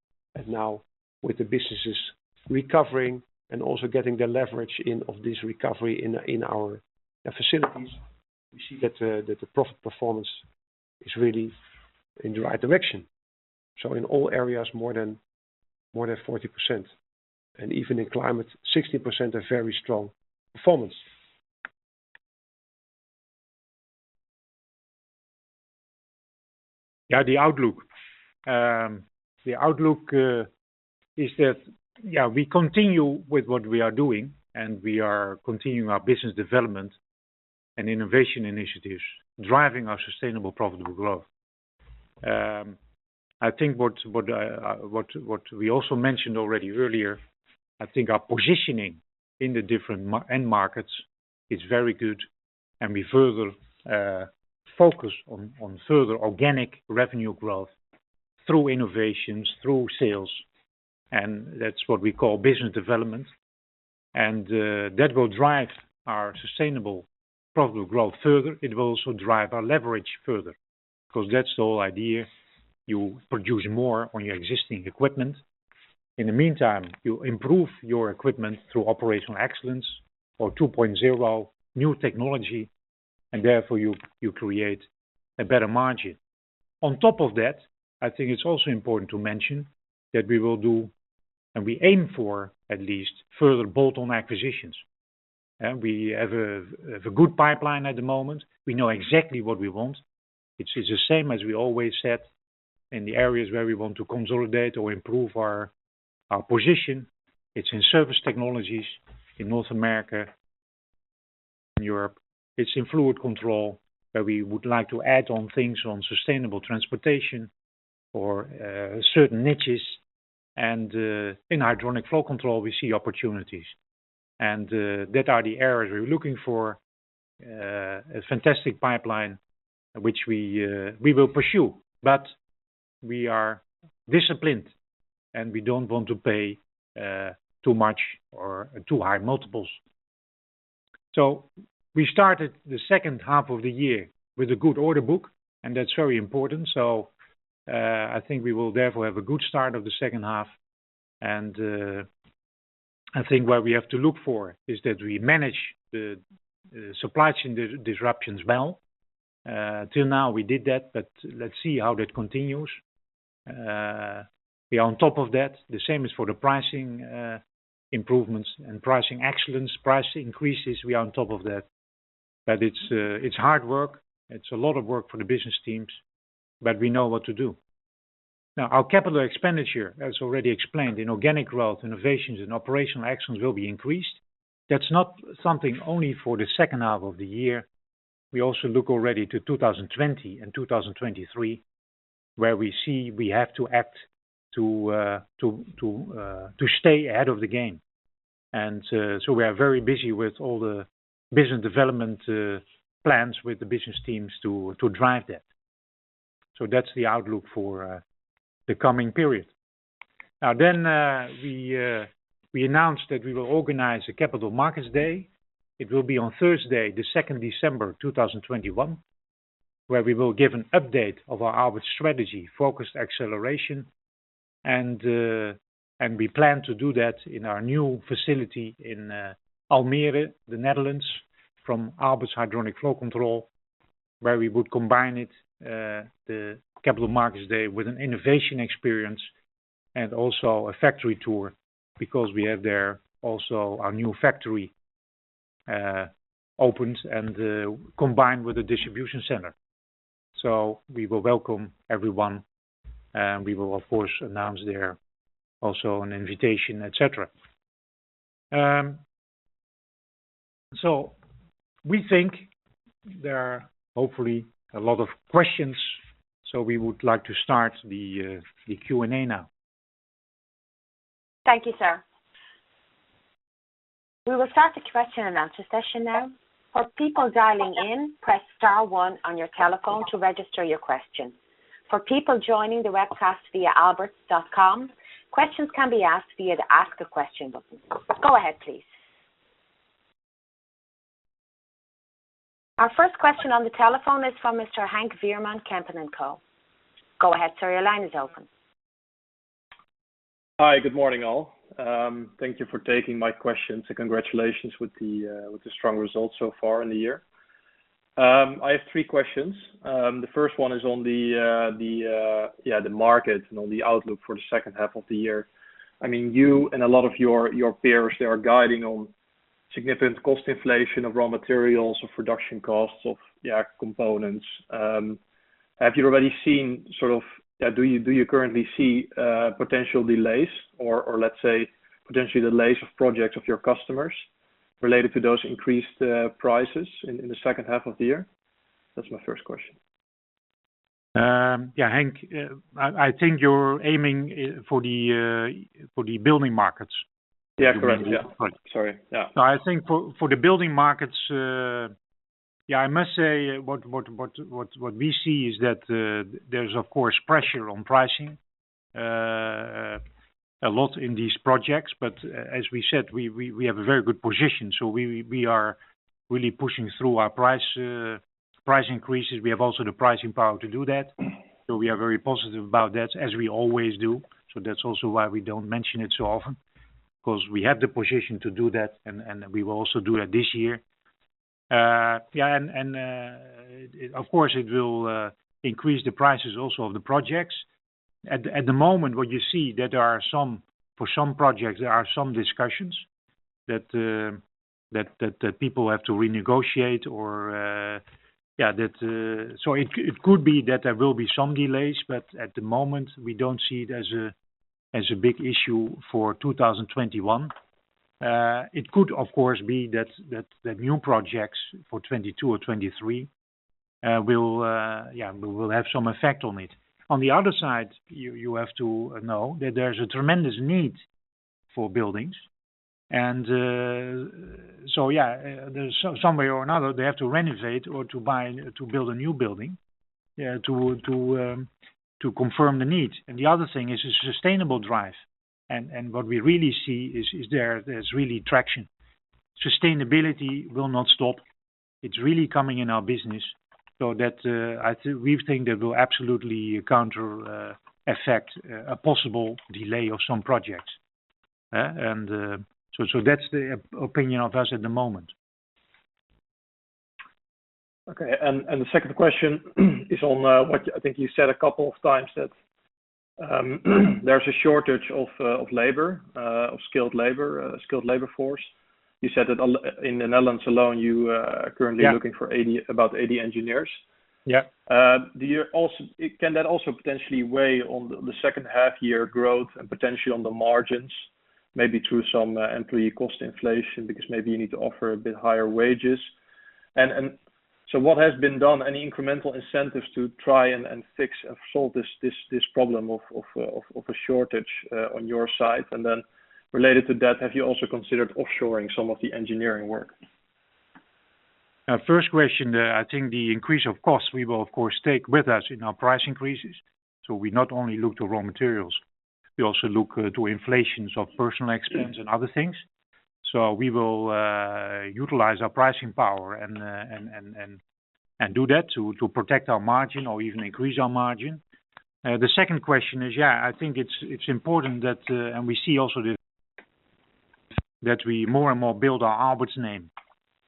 Now with the businesses recovering and also getting the leverage of this recovery in our facilities, we see that the profit performance is really in the right direction. In all areas, more than 40%. Even in Climate, 16% is very strong performance. The outlook is that we continue with what we are doing, and we are continuing our business development and innovation initiatives driving our sustainable profitable growth. I think what we also mentioned already earlier, I think our positioning in the different end markets is very good, and we further focus on further organic revenue growth through innovations, through sales, and that's what we call business development. That will drive our sustainable profitable growth further. It will also drive our leverage further because that's the whole idea. You produce more on your existing equipment. In the meantime, you improve your equipment through operational excellence or 2.0 new technology, and therefore you create a better margin. On top of that, I think it's also important to mention that we will do, and we aim for at least, further bolt-on acquisitions. We have a good pipeline at the moment. We know exactly what we want, which is the same as we always said in the areas where we want to consolidate or improve our position. It's in surface technologies in North America and Europe. It's in fluid control, where we would like to add on things on sustainable transportation or certain niches. In hydronic flow control, we see opportunities. That are the areas we're looking for, a fantastic pipeline which we will pursue. We are disciplined, and we don't want to pay too much or too high multiples. We started the second half of the year with a good order book, and that's very important. I think we will therefore have a good start of the second half, and I think what we have to look for is that we manage the supply chain disruptions well. Till now, we did that, but let's see how that continues. We are on top of that. The same is for the pricing improvements and pricing excellence, price increases. We are on top of that. It's hard work. It's a lot of work for the business teams, but we know what to do. Our capital expenditure, as already explained, in organic growth, innovations, and operational excellence will be increased. That's not something only for the second half of the year. We also look already to 2020 and 2023, where we see we have to act to stay ahead of the game. We are very busy with all the business development plans with the business teams to drive that. That's the outlook for the coming period. We announced that we will organize a Capital Markets Day. It will be on Thursday, the 2nd December 2021, where we will give an update of our Aalberts strategy, Focused Acceleration. We plan to do that in our new facility in Almere, the Netherlands, from Aalberts hydronic flow control, where we would combine it, the Capital Markets Day, with an innovation experience and also a factory tour because we have there also our new factory opened and combined with a distribution center. We will welcome everyone. We will, of course, announce there also an invitation, et cetera. We think there are hopefully a lot of questions. We would like to start the Q&A now. Thank you, sir. We will start the question-and-answer session now. For people dialing in, press star one on your telephone to register your question. For people joining the webcast via aalberts.com, questions can be asked via the Ask a Question button. Go ahead, please. Our first question on the telephone is from Mr. Henk Veerman, Kempen & Co. Go ahead, sir. Your line is open. Hi. Good morning, all. Thank you for taking my question. Congratulations with the strong results so far in the year. I have three questions. The first one is on the market and on the outlook for the second half of the year. You and a lot of your peers, they are guiding on significant cost inflation of raw materials, of production costs, of components. Have you already seen, do you currently see potential delays of projects of your customers related to those increased prices in the second half of the year? That's my first question. Yeah, Henk, I think you are aiming for the building markets. Yeah, correct. Yeah. Sorry. Yeah. I think for the building markets, I must say what we see is that there's, of course, pressure on pricing, a lot in these projects. As we said, we have a very good position. We are really pushing through our price increases. We have also the pricing power to do that. We are very positive about that, as we always do. That's also why we don't mention it so often, because we have the position to do that, and we will also do that this year. Of course, it will increase the prices also of the projects. At the moment, what you see, that for some projects, there are some discussions that people have to renegotiate. It could be that there will be some delays, but at the moment, we don't see it as a big issue for 2021. It could, of course, be that new projects for 2022 or 2023 will have some effect on it. On the other side, you have to know that there's a tremendous need for buildings. Some way or another, they have to renovate or to build a new building to confirm the need. The other thing is the sustainable drive. What we really see is there's really traction. Sustainability will not stop. It's really coming in our business. We think that will absolutely counter effect a possible delay of some projects. That's the opinion of us at the moment. Okay. The second question is on what I think you said a couple of times, that there's a shortage of labor, of skilled labor force. Yeah looking for about 80 engineers. Yeah. Can that also potentially weigh on the second half year growth and potentially on the margins, maybe through some employee cost inflation, because maybe you need to offer a bit higher wages? What has been done, any incremental incentives to try and fix or solve this problem of a shortage on your side? Related to that, have you also considered offshoring some of the engineering work? First question, I think the increase of cost, we will, of course, take with us in our price increases. We not only look to raw materials, we also look to inflations of personal expense and other things. We will utilize our pricing power and do that to protect our margin or even increase our margin. The second question is, yeah, I think it's important that, we see also that we more and more build our Aalberts name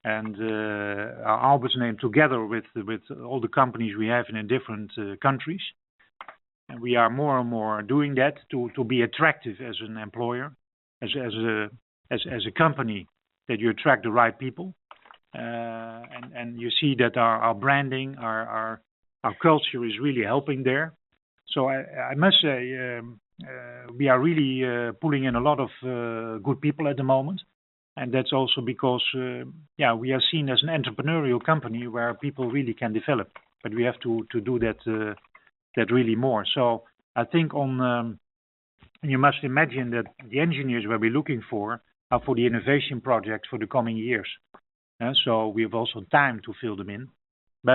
and our Aalberts name together with all the companies we have in different countries. We are more and more doing that to be attractive as an employer, as a company, that you attract the right people. You see that our branding, our culture is really helping there. I must say, we are really pulling in a lot of good people at the moment. That's also because we are seen as an entrepreneurial company where people really can develop. We have to do that really more. I think you must imagine that the engineers we're looking for are for the innovation projects for the coming years. We have also time to fill them in. We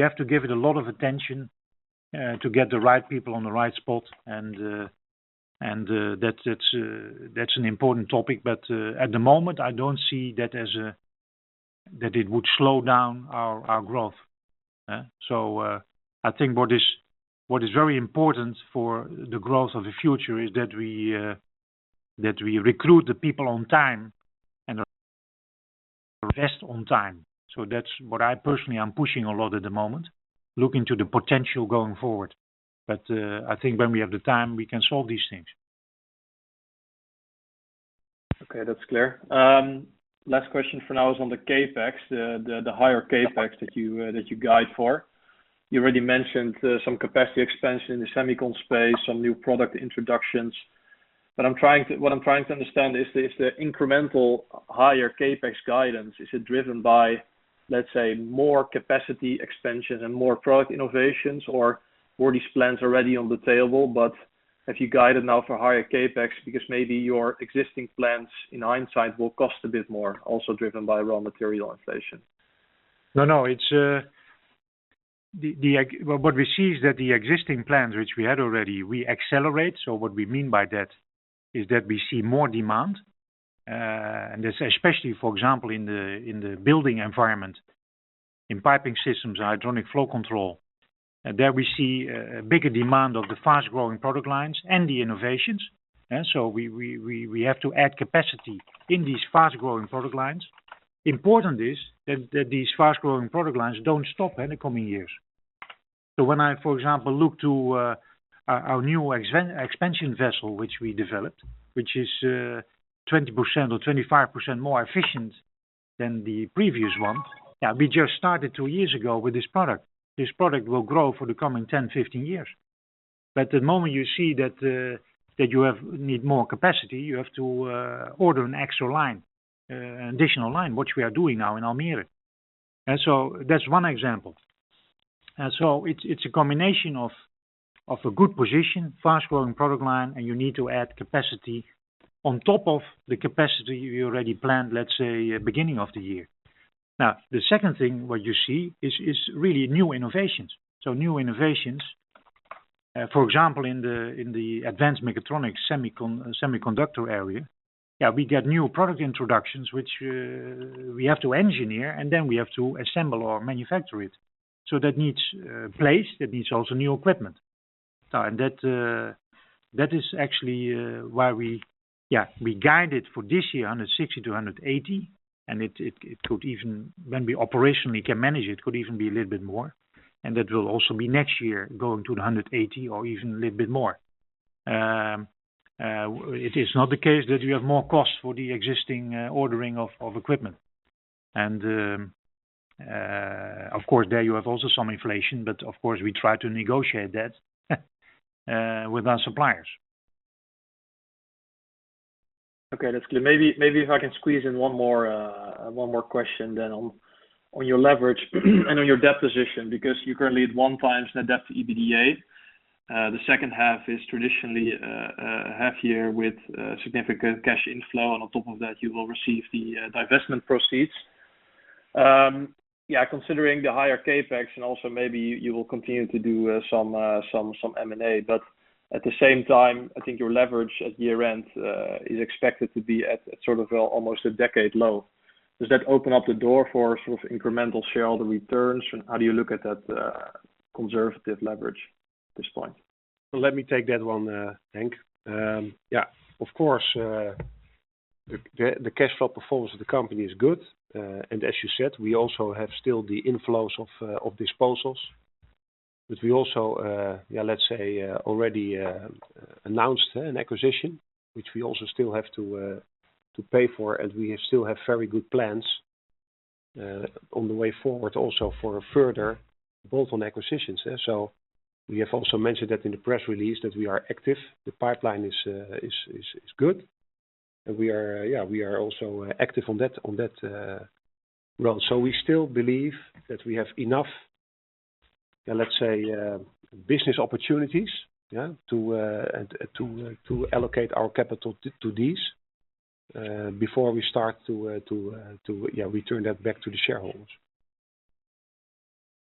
have to give it a lot of attention to get the right people on the right spot. That's an important topic, but at the moment, I don't see that it would slow down our growth. I think what is very important for the growth of the future is that we recruit the people on time and invest on time. That's what I personally am pushing a lot at the moment, looking to the potential going forward. I think when we have the time, we can solve these things. Okay, that's clear. Last question for now is on the CapEx, the higher CapEx that you guide for. You already mentioned some capacity expansion in the semicon space, some new product introductions. What I am trying to understand is if the incremental higher CapEx guidance, is it driven by, let's say, more capacity expansion and more product innovations, or were these plans already on the table, but have you guided now for higher CapEx because maybe your existing plans, in hindsight, will cost a bit more, also driven by raw material inflation? What we see is that the existing plans which we had already, we accelerate. What we mean by that is that we see more demand, and especially, for example, in the building environment, in piping systems, hydronic flow control. There we see a bigger demand of the fast-growing product lines and the innovations. We have to add capacity in these fast-growing product lines. Important is that these fast-growing product lines don't stop in the coming years. When I, for example, look to our new expansion vessel, which we developed, which is 20% or 25% more efficient than the previous one. We just started two years ago with this product. This product will grow for the coming 10, 15 years. The moment you see that you need more capacity, you have to order an extra line, additional line, which we are doing now in Almere. That's one example. It's a combination of a good position, fast-growing product line, and you need to add capacity on top of the capacity you already planned, let's say, beginning of the year. The second thing, what you see, is really new innovations. New innovations, for example, in the advanced mechatronics semiconductor area, we get new product introductions, which we have to engineer, and then we have to assemble or manufacture it. That needs place. That needs also new equipment. That is actually why we guided for this year 160-180, and when we operationally can manage it could even be a little bit more, and that will also be next year, going to 180 or even a little bit more. It is not the case that we have more costs for the existing ordering of equipment. Of course, there you have also some inflation, of course, we try to negotiate that with our suppliers. Okay, that's clear. Maybe if I can squeeze in one more question then on your leverage and on your debt position, because you currently at 1x net debt to EBITDA. The second half is traditionally a half year with significant cash inflow, and on top of that, you will receive the divestment proceeds. Considering the higher CapEx and also maybe you will continue to do some M&A, but at the same time, I think your leverage at year-end is expected to be at sort of almost a decade low. Does that open up the door for sort of incremental shareholder returns? How do you look at that conservative leverage at this point? Let me take that one, Henk. Of course, the cash flow performance of the company is good. As you said, we also have still the inflows of disposals. We also, already announced an acquisition, which we also still have to pay for, and we still have very good plans on the way forward also for further both on acquisitions. We have also mentioned that in the press release that we are active. The pipeline is good. We are also active on that role. We still believe that we have enough, business opportunities to allocate our capital to these, before we start to return that back to the shareholders.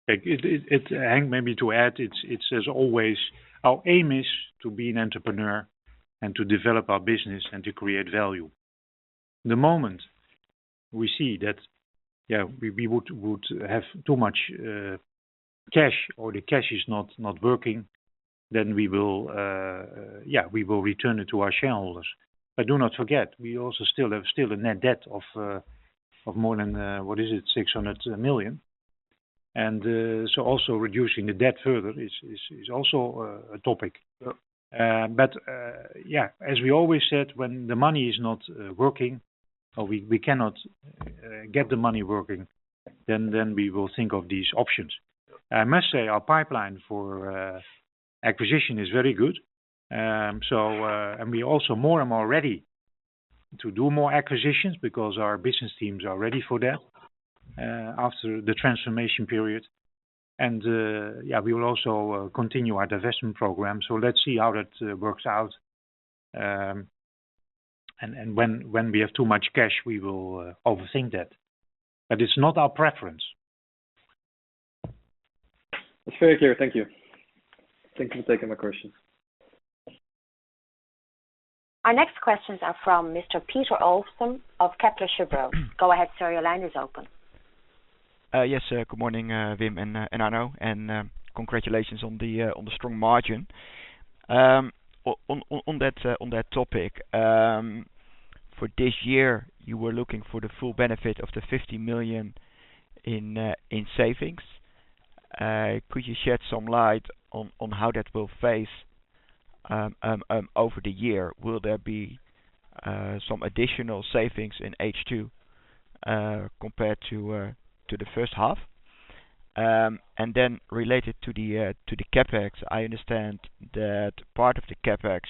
Henk, maybe to add, it's as always, our aim is to be an entrepreneur and to develop our business and to create value. The moment we see that we would have too much cash or the cash is not working, we will return it to our shareholders. Do not forget, we also still have a net debt of more than, what is it? 600 million. Also reducing the debt further is also a topic. As we always said, when the money is not working or we cannot get the money working, we will think of these options. I must say our pipeline for acquisition is very good. We also more and more ready to do more acquisitions because our business teams are ready for that after the transformation period. We will also continue our divestment program. Let's see how that works out. When we have too much cash, we will overthink that. It's not our preference. It's very clear. Thank you. Thank you for taking my question. Our next questions are from Mr. Peter Olofsen of Kepler Cheuvreux. Go ahead, sir. Your line is open. Yes, good morning, Wim and Arno. Congratulations on the strong margin. On that topic, for this year, you were looking for the full benefit of the 50 million in savings. Could you shed some light on how that will phase over the year? Will there be some additional savings in H2, compared to the first half? Related to the CapEx, I understand that part of the CapEx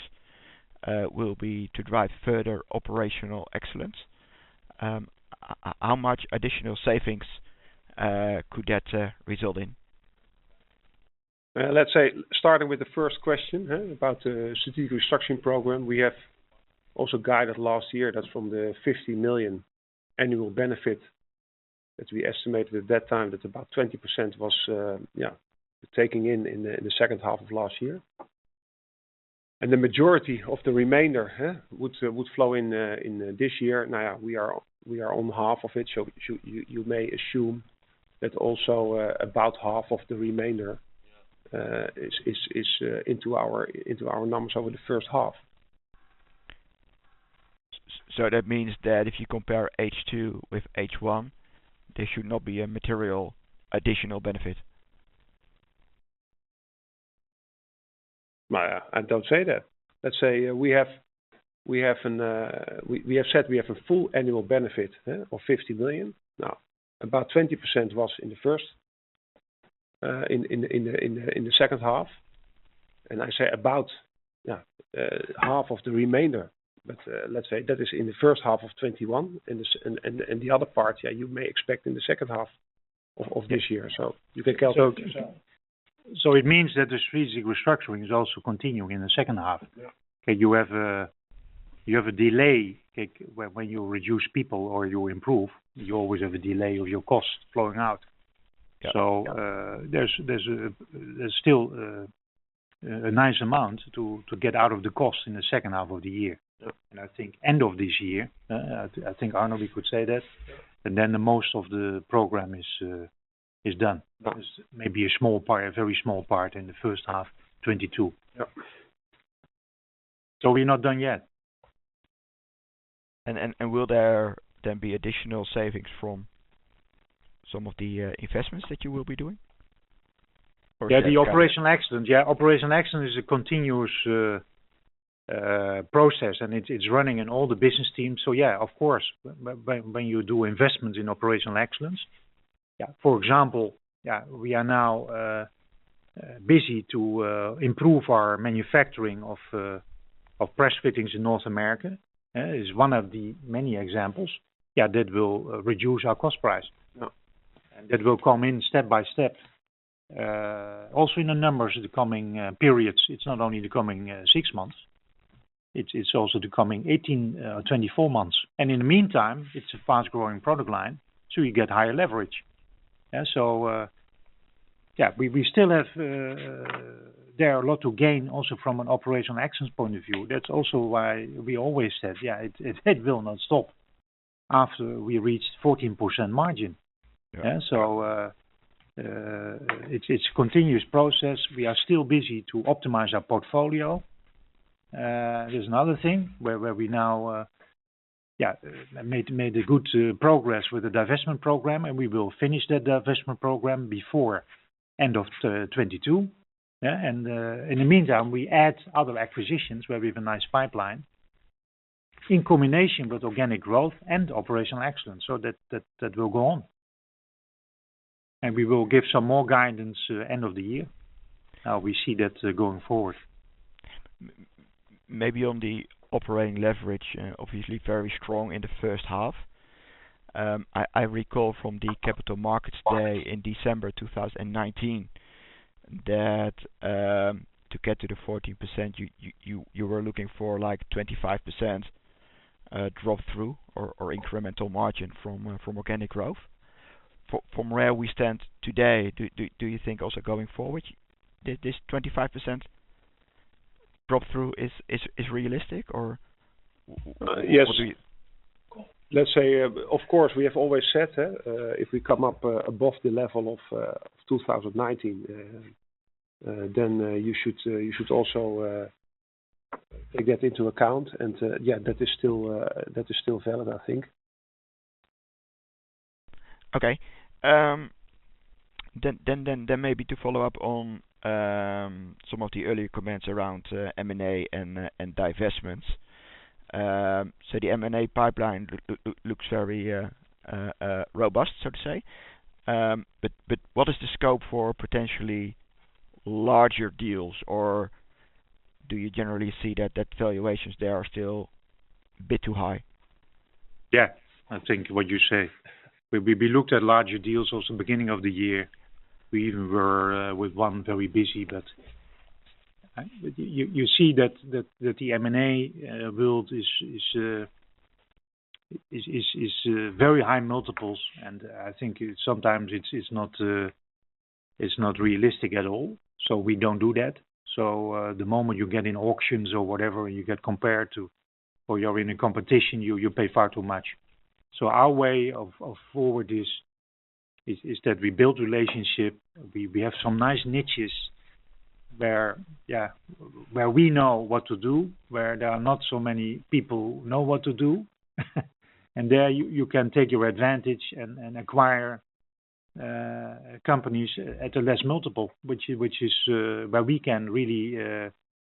will be to drive further operational excellence. How much additional savings could that result in? Let's say, starting with the first question about strategic restructuring program. We have also guided last year, that's from the 50 million annual benefit that we estimated at that time. That about 20% was taking in the second half of last year. The majority of the remainder would flow in this year. Now we are on half of it, you may assume that also about half of the remainder is into our numbers over the first half. That means that if you compare H2 with H1, there should not be a material additional benefit. I don't say that. Let's say we have said we have a full annual benefit of 50 million. About 20% was in the second half, and I say about half of the remainder, but let's say that is in the first half of 2021 and the other part, you may expect in the second half of this year. It means that the strategic restructuring program is also continuing in the second half. Yeah. You have a delay when you reduce people or you improve, you always have a delay of your cost flowing out. Yeah. There's still a nice amount to get out of the cost in the second half of the year. Yeah. I think end of this year, I think Arno we could say that. Yeah. Then the most of the program is done. There is maybe a very small part in the first half 2022. Yeah. We're not done yet. Will there then be additional savings from some of the investments that you will be doing? Yeah. The operational excellence. Yeah, operational excellence is a continuous process, and it's running in all the business teams. Yeah, of course, when you do investments in operational excellence. Yeah. For example, we are now busy to improve our manufacturing of press fittings in North America, is one of the many examples. Yeah, that will reduce our cost price. Yeah. That will come in step by step. Also in the numbers of the coming periods, it's not only the coming six months, it's also the coming 18, 24 months. In the meantime, it's a fast-growing product line, so you get higher leverage. There are a lot to gain also from an operational excellence point of view. That's also why we always said, it will not stop after we reached 14% margin. It's a continuous process. We are still busy to optimize our portfolio. There's another thing where we now made a good progress with the divestment program, and we will finish that divestment program before end of 2022. In the meantime, we add other acquisitions where we have a nice pipeline in combination with organic growth and operational excellence. That will go on. We will give some more guidance end of the year, how we see that going forward. On the operating leverage, obviously very strong in the first half. I recall from the Capital Markets Day in December 2019 that, to get to the 14%, you were looking for 25% drop-through or incremental margin from organic growth. From where we stand today, do you think also going forward, this 25% drop-through is realistic? We have always said, if we come up above the level of 2019, you should also take that into account and that is still valid, I think. To follow up on some of the earlier comments around M&A and divestments. The M&A pipeline looks very robust, so to say. What is the scope for potentially larger deals? Do you generally see that valuations there are still a bit too high? Yeah. I think what you say. We looked at larger deals also beginning of the year. We even were with one very busy, but you see that the M&A world is very high multiples, and I think sometimes it's not realistic at all. We don't do that. The moment you get in auctions or whatever, and you get compared to, or you're in a competition, you pay far too much. Our way of forward is that we build relationship. We have some nice niches where we know what to do, where there are not so many people know what to do, and there you can take your advantage and acquire companies at a less multiple, which is where we can really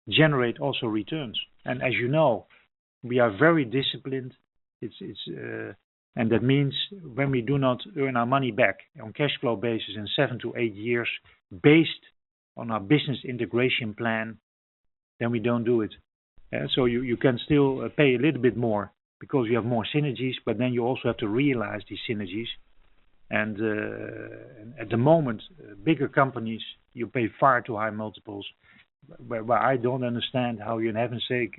generate also returns. As you know, we are very disciplined. That means when we do not earn our money back on cash flow basis in seven to eight years, based on our business integration plan, then we don't do it. You can still pay a little bit more because you have more synergies, but then you also have to realize these synergies. At the moment, bigger companies, you pay far too high multiples, where I don't understand how you, in heaven's sake,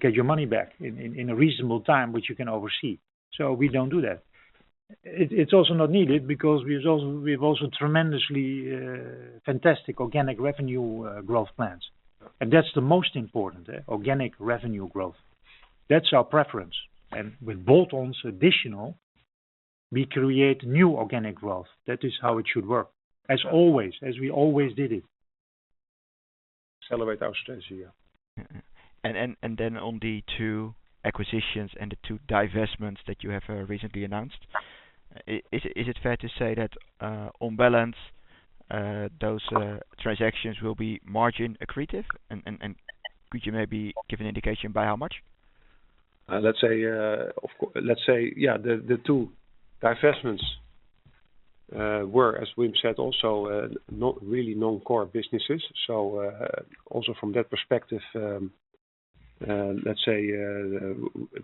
get your money back in a reasonable time, which you can oversee. We don't do that. It's also not needed because we've also tremendously fantastic organic revenue growth plans. That's the most important, organic revenue growth. That's our preference. With bolt-ons additional, we create new organic growth. That is how it should work. As always, as we always did it. Accelerate our strategy, yeah. On the two acquisitions and the two divestments that you have recently announced, is it fair to say that on balance, those transactions will be margin accretive? Could you maybe give an indication by how much? Let's say, the two divestments were, as Wim said, also really non-core businesses. Also from that perspective,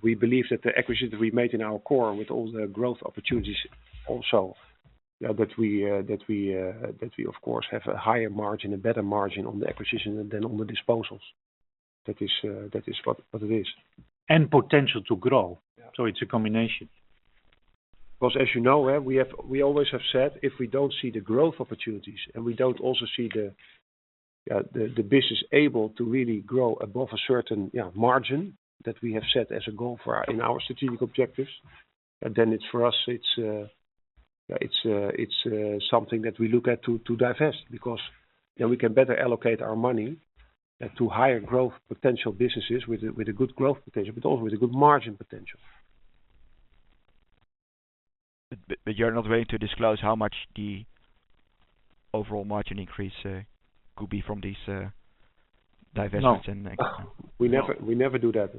we believe that the acquisitions we made in our core with all the growth opportunities also, that we of course have a higher margin, a better margin on the acquisition than on the disposals. That is what it is. Potential to grow. It's a combination. As you know, we always have said if we don't see the growth opportunities and we don't also see the business able to really grow above a certain margin that we have set as a goal in our strategic objectives, then for us, it's something that we look at to divest because then we can better allocate our money to higher growth potential businesses with a good growth potential, but also with a good margin potential. You're not ready to disclose how much the overall margin increase could be from these divestments and exit? No. We never do that.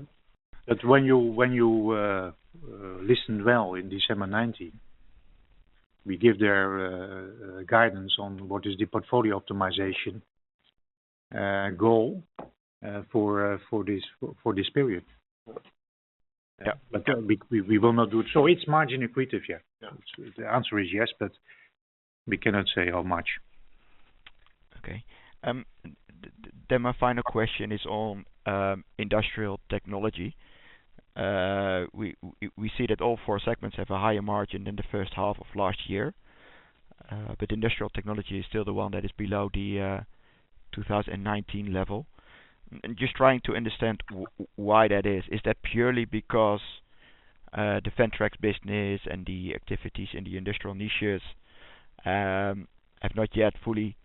When you listened well in December 2019, we give there guidance on what is the portfolio optimization goal for this period. Yeah. We will not do it. It's margin accretive, yeah. Yeah. The answer is yes, but we cannot say how much. My final question is on Industrial Technology. We see that all four segments have a higher margin than the first half of last year. Industrial Technology is still the one that is below the 2019 level. I'm just trying to understand why that is. Is that purely because the VENTREX business and the activities in the industrial niches have not yet fully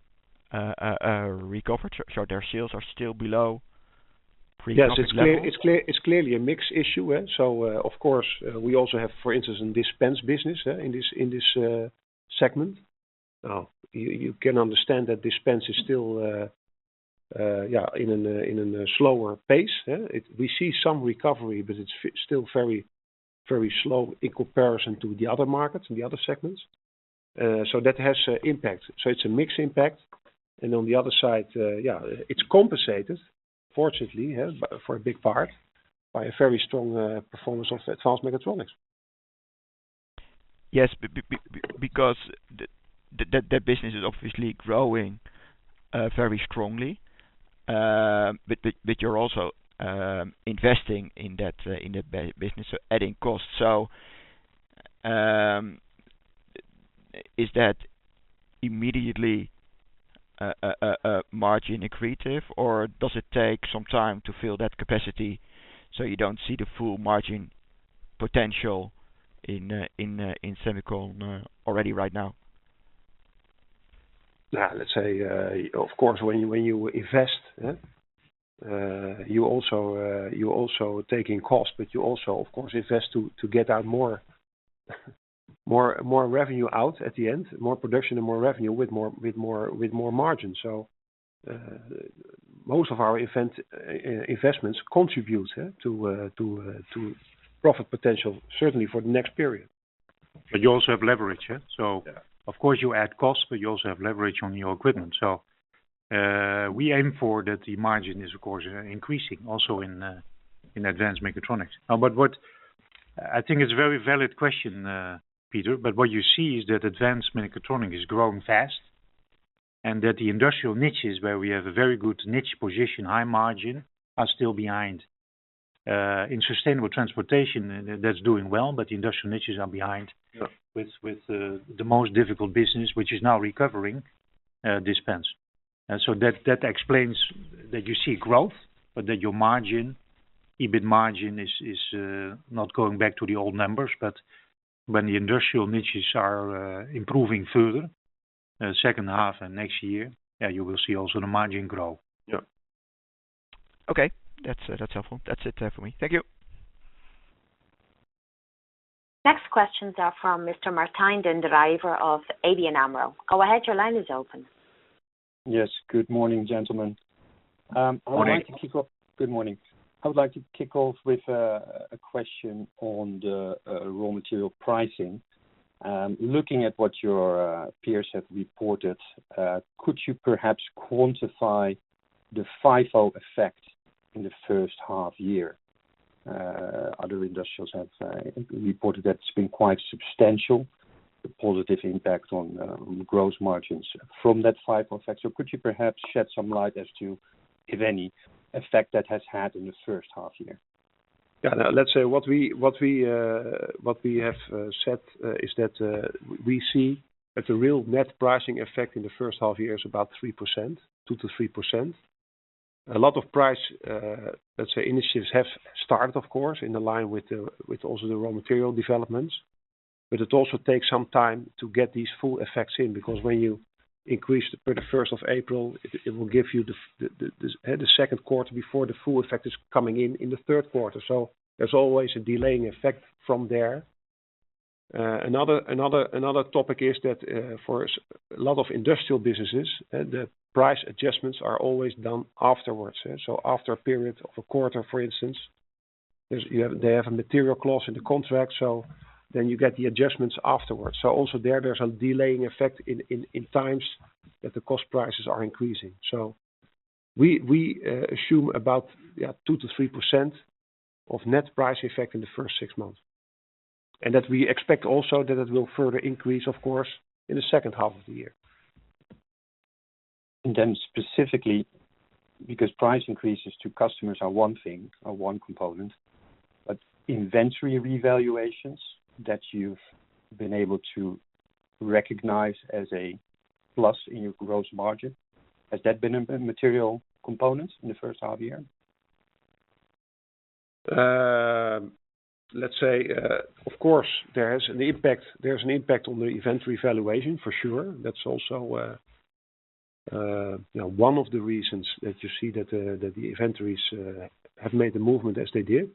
recovered, so their sales are still below pre-COVID levels? Yes, it is clearly a mix issue. Of course, we also have, for instance, in dispense business, in this segment. You can understand that dispense is still in a slower pace. We see some recovery, but it is still very slow in comparison to the other markets and the other segments. That has impact. It is a mix impact. On the other side, it is compensated, fortunately, for a big part, by a very strong performance of advanced mechatronics. Yes, because that business is obviously growing very strongly. You're also investing in that business, so adding cost. Is that immediately margin accretive, or does it take some time to fill that capacity so you don't see the full margin potential in semicon already right now? Let's say, of course, when you invest, you're also taking cost, but you also, of course, invest to get out more revenue out at the end, more production and more revenue with more margin. Most of our investments contribute to profit potential, certainly for the next period. You also have leverage. Of course you add cost, but you also have leverage on your equipment. We aim for that the margin is, of course, increasing also in advanced mechatronics. What I think is a very valid question, Peter, what you see is that Advanced Mechatronics is growing fast and that the industrial niches where we have a very good niche position, high margin, are still behind. In sustainable transportation, that's doing well, but the industrial niches are behind with the most difficult business, which is now recovering dispense. That explains that you see growth, but that your margin, EBIT margin, is not going back to the old numbers. When the industrial niches are improving further, second half and next year, you will see also the margin grow. Yeah. Okay. That's helpful. That's it for me. Thank you. Next questions are from Mr. Martijn den Drijver of ABN AMRO. Go ahead, your line is open. Yes. Good morning, gentlemen. Morning. Good morning. I would like to kick off with a question on the raw material pricing. Looking at what your peers have reported, could you perhaps quantify the FIFO effect in the first half year? Other industrials have reported that it's been quite substantial, the positive impact on gross margins from that FIFO effect. Could you perhaps shed some light as to, if any, effect that has had in the first half year? Let's say what we have said is that we see that the real net pricing effect in the first half year is about 3%, 2%-3%. A lot of price initiatives have started, of course, in line with also the raw material developments. But it also takes some time to get these full effects in, because when you increase per the first of April, it will give you the second quarter before the full effect is coming in the third quarter. There's always a delaying effect from there. Another topic is that for a lot of industrial businesses, the price adjustments are always done afterwards. After a period of a quarter, for instance, they have a material clause in the contract, so then you get the adjustments afterwards. Also there's a delaying effect in times that the cost prices are increasing. We assume about 2%-3% of net price effect in the first six months, and that we expect also that it will further increase, of course, in the second half of the year. Specifically, because price increases to customers are one thing or one component, but inventory revaluations that you've been able to recognize as a plus in your gross margin, has that been a material component in the first half year? Let's say, of course, there's an impact on the inventory valuation, for sure. That's also one of the reasons that you see that the inventories have made the movement as they did.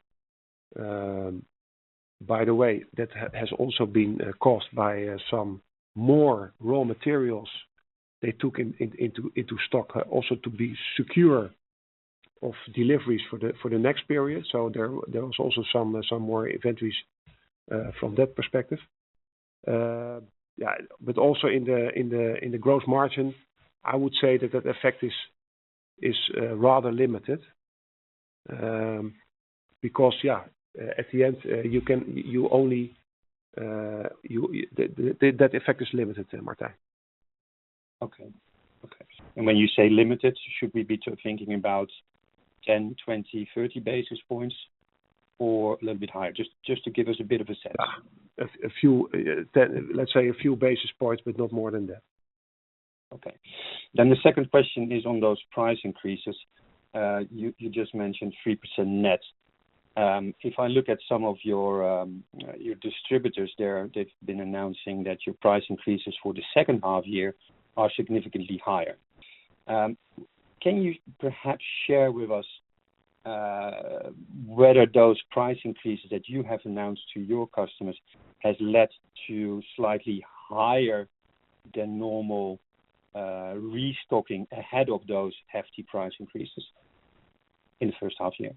By the way, that has also been caused by some more raw materials they took into stock also to be secure of deliveries for the next period. There was also some more inventories from that perspective. Also in the gross margin, I would say that the effect is rather limited because, at the end, that effect is limited there, Martijn. Okay. When you say limited, should we be thinking about 10, 20, 30 basis points or a little bit higher? Just to give us a bit of a sense. Let's say a few basis points, but not more than that. Okay. The second question is on those price increases. You just mentioned 3% net. If I look at some of your distributors there, they've been announcing that your price increases for the second half year are significantly higher. Can you perhaps share with us whether those price increases that you have announced to your customers has led to slightly higher than normal restocking ahead of those hefty price increases in the first half year?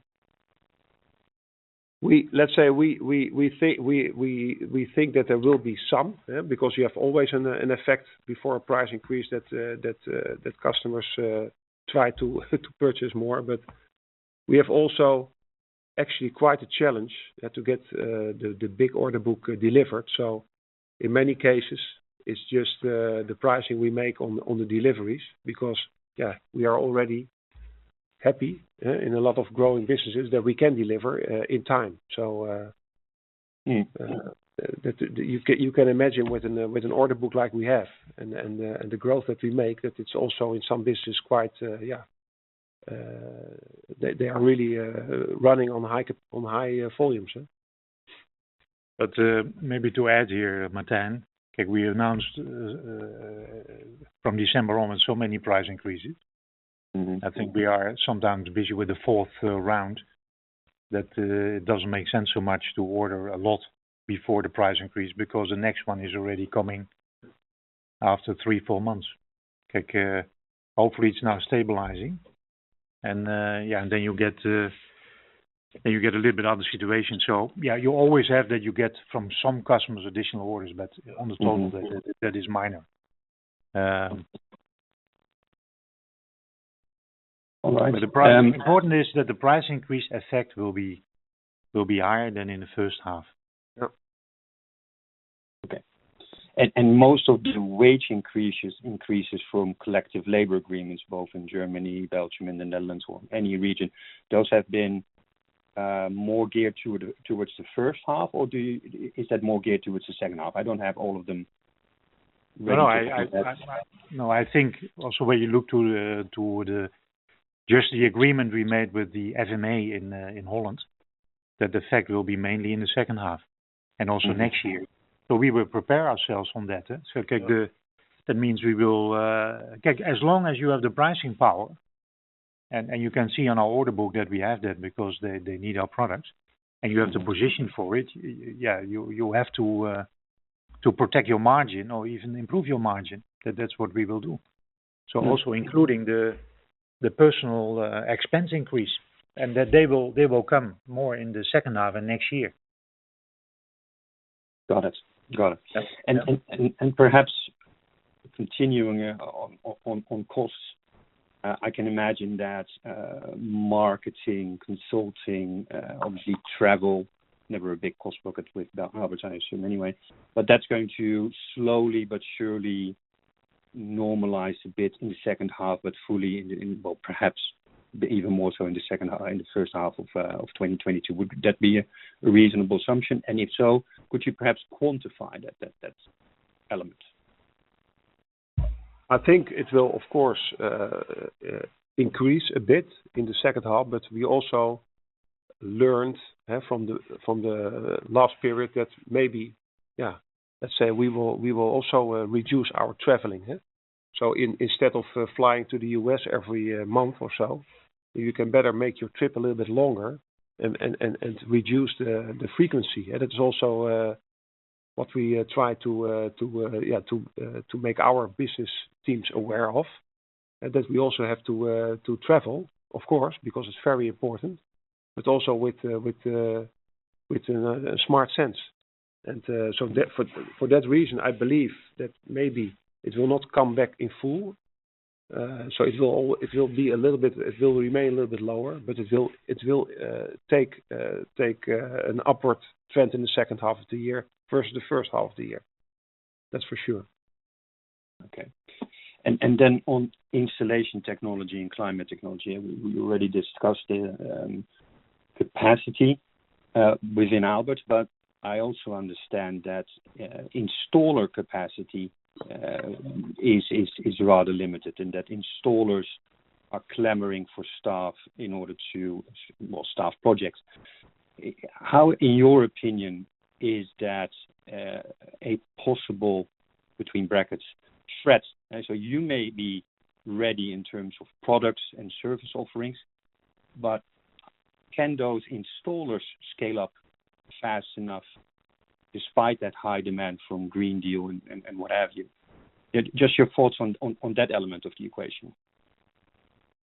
Let's say, we think that there will be some, because you have always an effect before a price increase that customers try to purchase more, but we have also actually quite a challenge to get the big order book delivered. In many cases, it's just the pricing we make on the deliveries because, yeah, we are already happy in a lot of growing businesses that we can deliver in time. You can imagine with an order book like we have and the growth that we make, that it's also in some business. They are really running on high volumes. Maybe to add here, Martijn, we announced from December onwards so many price increases. I think we are sometimes busy with the fourth round that it doesn't make sense so much to order a lot before the price increase because the next one is already coming after three, four months. Hopefully, it's now stabilizing and then you get a little bit of the situation. You always have that you get from some customers additional orders, but on the total, that is minor. All right. The important is that the price increase effect will be higher than in the first half. Yep. Okay. Most of the wage increases from collective labor agreements, both in Germany, Belgium, and the Netherlands or any region, those have been more geared towards the first half, or is that more geared towards the second half? I don't have all of them. No. I think also when you look to just the agreement we made with the SNA in Holland, that effect will be mainly in the second half and also next year. We will prepare ourselves on that. As long as you have the pricing power, and you can see on our order book that we have that because they need our products, and you have the position for it, you have to protect your margin or even improve your margin, that that's what we will do. Also including the personal expense increase and that they will come more in the second half of next year. Got it. Perhaps continuing on costs, I can imagine that marketing, consulting, obviously travel, never a big cost bucket with that, I would assume anyway, but that's going to slowly but surely normalize a bit in the second half, but perhaps even more so in the first half of 2022. Would that be a reasonable assumption? If so, could you perhaps quantify that element? I think it will, of course, increase a bit in the second half, but we also learned from the last period that maybe, let's say, we will also reduce our traveling. Instead of flying to the U.S. every month or so, you can better make your trip a little bit longer and reduce the frequency. It's also what we try to make our business teams aware of, that we also have to travel, of course, because it's very important, but also with a smart sense. For that reason, I believe that maybe it will not come back in full. It will remain a little bit lower, but it will take an upward trend in the second half of the year versus the first half of the year. That's for sure. On Installation Technology and Climate Technology, we already discussed the capacity within Aalberts, but I also understand that installer capacity is rather limited and that installers are clamoring for staff in order to staff projects. How, in your opinion, is that a possible threat? You may be ready in terms of products and service offerings, but can those installers scale up fast enough despite that high demand from Green Deal and what have you? Just your thoughts on that element of the equation.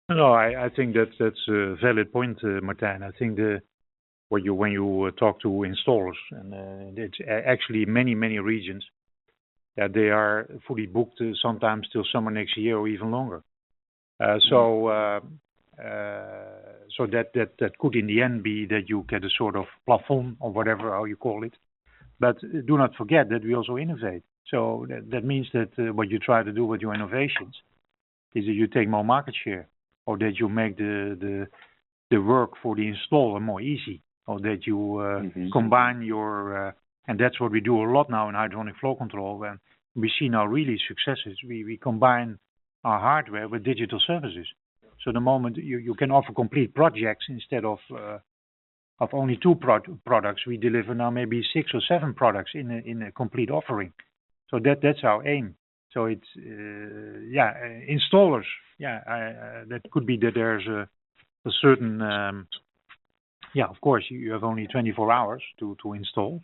No, I think that's a valid point, Martijn. I think when you talk to installers, and it's actually many regions, that they are fully booked sometimes till summer next year or even longer. That could in the end be that you get a sort of platform or whatever, how you call it. Do not forget that we also innovate. That means that what you try to do with your innovations is that you take more market share or that you make the work for the installer more easy, or that's what we do a lot now in hydronic flow control, where we see now really successes. We combine our hardware with digital services. The moment you can offer complete projects, instead of only two products, we deliver now maybe six or seven products in a complete offering. That's our aim. Yeah, installers, that could be that there's a certain, of course, you have only 24 hours to install,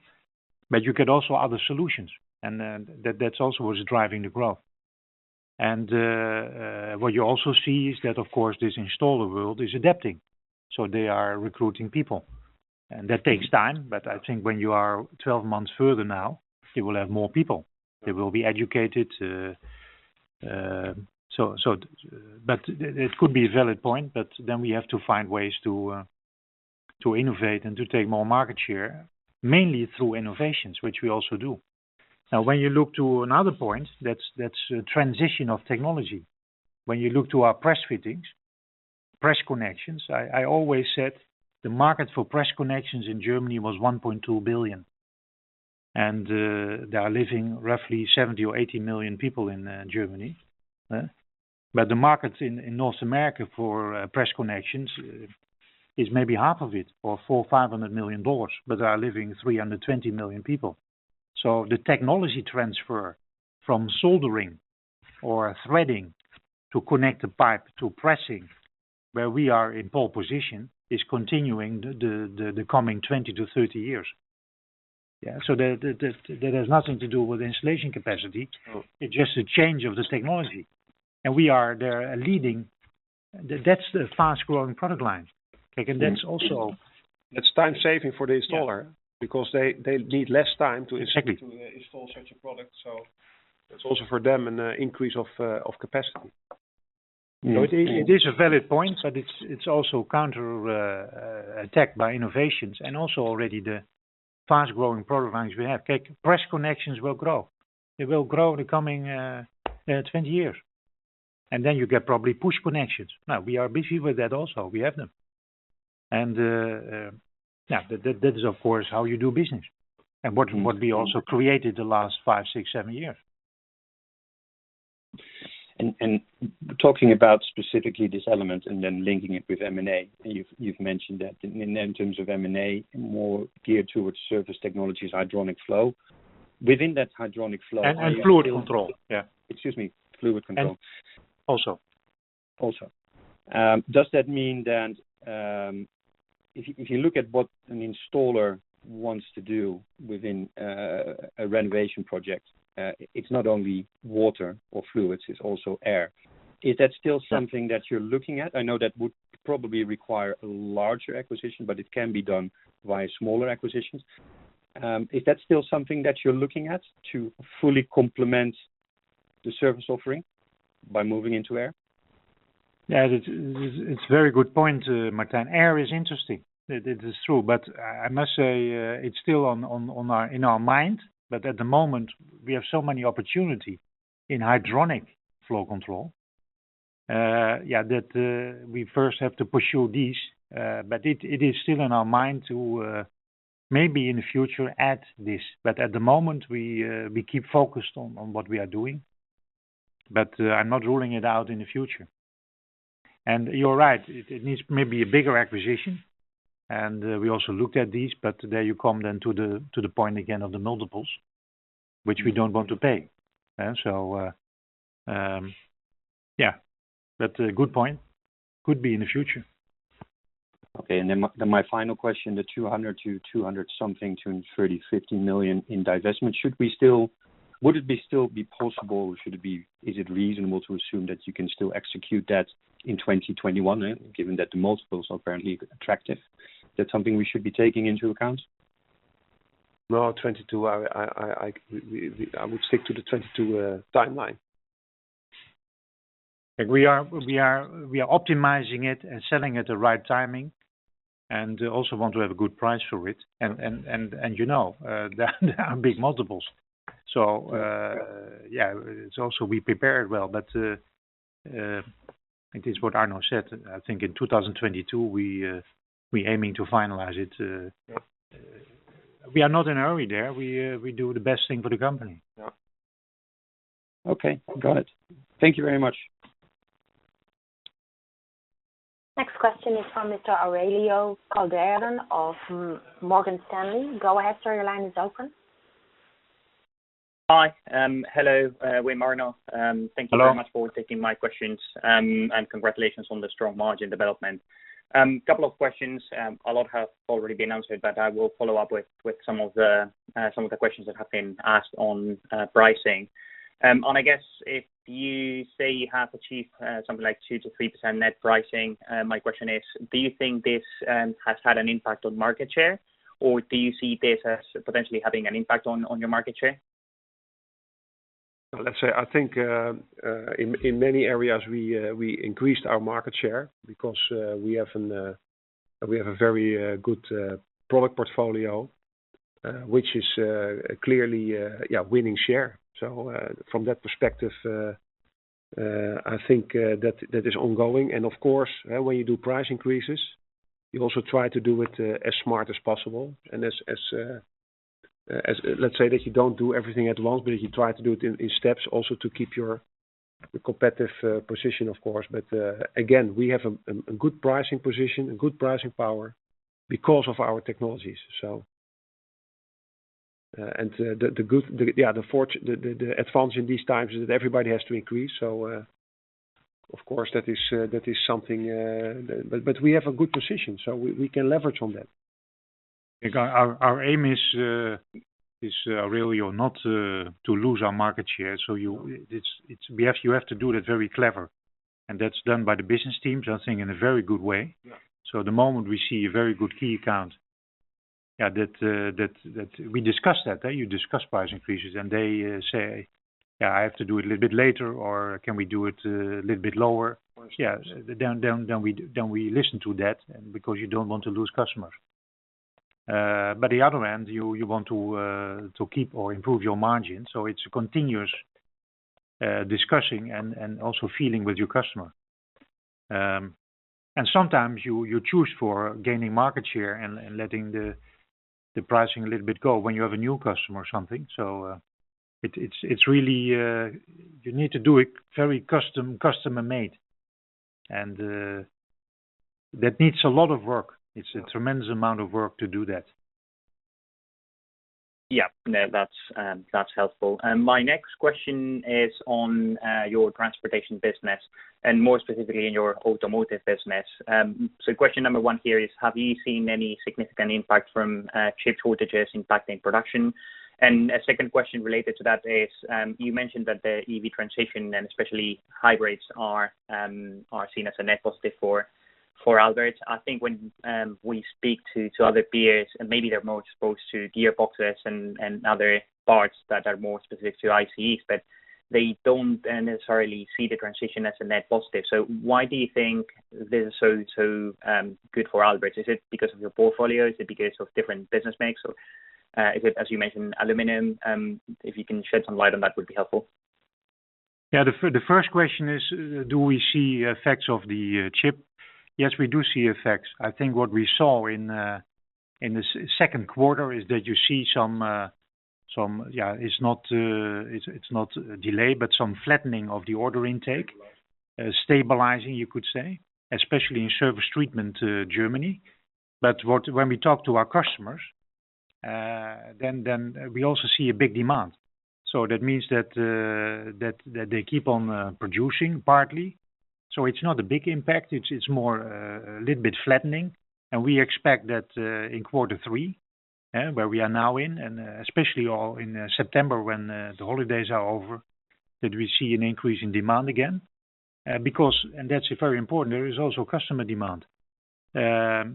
but you get also other solutions, and that's also what's driving the growth. What you also see is that, of course, this installer world is adapting. They are recruiting people, and that takes time, but I think when you are 12 months further now, they will have more people. They will be educated. It could be a valid point, but then we have to find ways to innovate and to take more market share, mainly through innovations, which we also do. When you look to another point, that's transition of technology. When you look to our press fittings, press connections, I always said the market for press connections in Germany was 1.2 billion, and there are living roughly 70 million or 80 million people in Germany. The market in North America for press connections is maybe half of it, or 400 million, EUR 500 million. There are living 320 million people. The technology transfer from soldering or threading to connect a pipe to pressing, where we are in pole position, is continuing the coming 20 to 30 years. Yeah. That has nothing to do with installation capacity. Sure. It's just a change of this technology, and we are there leading. That's the fast-growing product line. That's time saving for the installer. Yeah because they need less time. Exactly install such a product, that's also for them an increase of capacity. Yeah. It is a valid point, but it's also counterattacked by innovations and also already the fast-growing product lines we have. Press connections will grow. It will grow the coming 20 years. Then you get probably push connections. Now we are busy with that also. We have them. Yeah, that is, of course, how you do business and what we also created the last five, six, seven years. Talking about specifically this element and then linking it with M&A, you've mentioned that in terms of M&A, more geared towards surface technologies, hydronic flow. Within that hydronic flow- fluid control. Yeah. Excuse me. fluid control. Also. Does that mean that if you look at what an installer wants to do within a renovation project, it's not only water or fluids, it's also air. Is that still something that you're looking at? I know that would probably require a larger acquisition, but it can be done via smaller acquisitions. Is that still something that you're looking at to fully complement the service offering by moving into air? Yeah. It's a very good point, Martijn. Air is interesting. It is true, but I must say it's still in our mind, but at the moment, we have so many opportunity in hydronic flow control. That we first have to pursue these, but it is still in our mind to maybe in the future add this. At the moment, we keep focused on what we are doing. I'm not ruling it out in the future. You're right, it needs maybe a bigger acquisition, and we also looked at these, but there you come then to the point again of the multiples, which we don't want to pay. Yeah. A good point. Could be in the future. My final question, the 200 to 200 something, 230 million, 50 million in divestment, would it be still be possible, or is it reasonable to assume that you can still execute that in 2021, given that the multiples are apparently attractive? That's something we should be taking into account? 2022, I would stick to the 2022 timeline. We are optimizing it and selling at the right timing, also want to have a good price for it. You know, there are big multiples. Yeah. It's also we prepared well, it is what Arno said, I think in 2022, we aiming to finalize it. We are not in a hurry there. We do the best thing for the company. Yeah. Okay, got it. Thank you very much. Next question is from Mr. Aurelio Calderon of Morgan Stanley. Go ahead, sir, your line is open. Hi. Hello, Wim and Arno. Hello. Thank you very much for taking my questions, and congratulations on the strong margin development. Couple of questions, a lot have already been answered, but I will follow up with some of the questions that have been asked on pricing. I guess if you say you have achieved something like 2%-3% net pricing, my question is, do you think this has had an impact on market share, or do you see this as potentially having an impact on your market share? Let's say, I think, in many areas, we increased our market share because we have a very good product portfolio, which is clearly, yeah, winning share. From that perspective, I think that is ongoing. Of course, when you do price increases, you also try to do it as smart as possible and let's say that you don't do everything at once, but you try to do it in steps also to keep your competitive position, of course. Again, we have a good pricing position and good pricing power because of our technologies. The advantage in these times is that everybody has to increase, so, of course, that is something. We have a good position, so we can leverage on that. Our aim is, Aurelio, not to lose our market share. You have to do that very clever, and that's done by the business teams, I think, in a very good way. Yeah. At the moment, we see a very good key account. We discuss that. You discuss price increases, and they say, "Yeah, I have to do it a little bit later," or, "Can we do it a little bit lower?" Of course. We listen to that because you don't want to lose customers. The other hand, you want to keep or improve your margin, it's continuous discussing and also feeling with your customer. Sometimes you choose for gaining market share and letting the pricing a little bit go when you have a new customer or something. You need to do it very customer-made, and that needs a lot of work. It's a tremendous amount of work to do that. Yeah. No, that's helpful. My next question is on your transportation business and more specifically in your automotive business. Question number one here is, have you seen any significant impact from chip shortages impacting production? A second question related to that is, you mentioned that the EV transition and especially hybrids are seen as a net positive for Aalberts. I think when we speak to other peers, and maybe they're more exposed to gearboxes and other parts that are more specific to ICE, but they don't necessarily see the transition as a net positive. Why do you think this is so good for Aalberts? Is it because of your portfolio? Is it because of different business mix, or is it, as you mentioned, aluminum? If you can shed some light on that, would be helpful. The first question is, do we see effects of the chip? Yes, we do see effects. I think what we saw in the second quarter is that you see some, it's not delay, but some flattening of the order intake. Stabilizing. Stabilizing, you could say, especially in surface treatment Germany. When we talk to our customers, we also see a big demand. That means that they keep on producing partly. It's not a big impact, it's more a little bit flattening. We expect that in quarter three, where we are now in, especially in September when the holidays are over, that we see an increase in demand again. That's very important, there is also customer demand.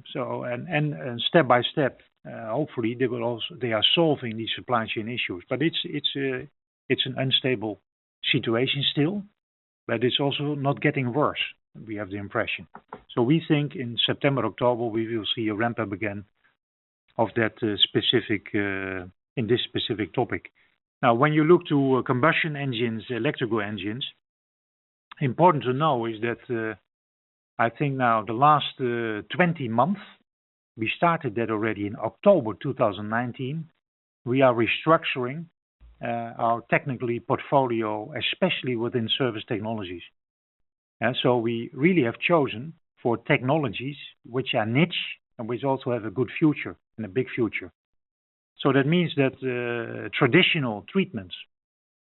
Step by step, hopefully, they are solving these supply chain issues. It's an unstable situation still, but it's also not getting worse, we have the impression. We think in September, October, we will see a ramp-up again of that specific topic. When you look to combustion engines, electrical engines, important to know is that I think now, the last 20 months, we started that already in October 2019. We are restructuring our technology portfolio, especially within surface technologies. We really have chosen for technologies which are niche and which also have a good future and a big future. That means that traditional treatments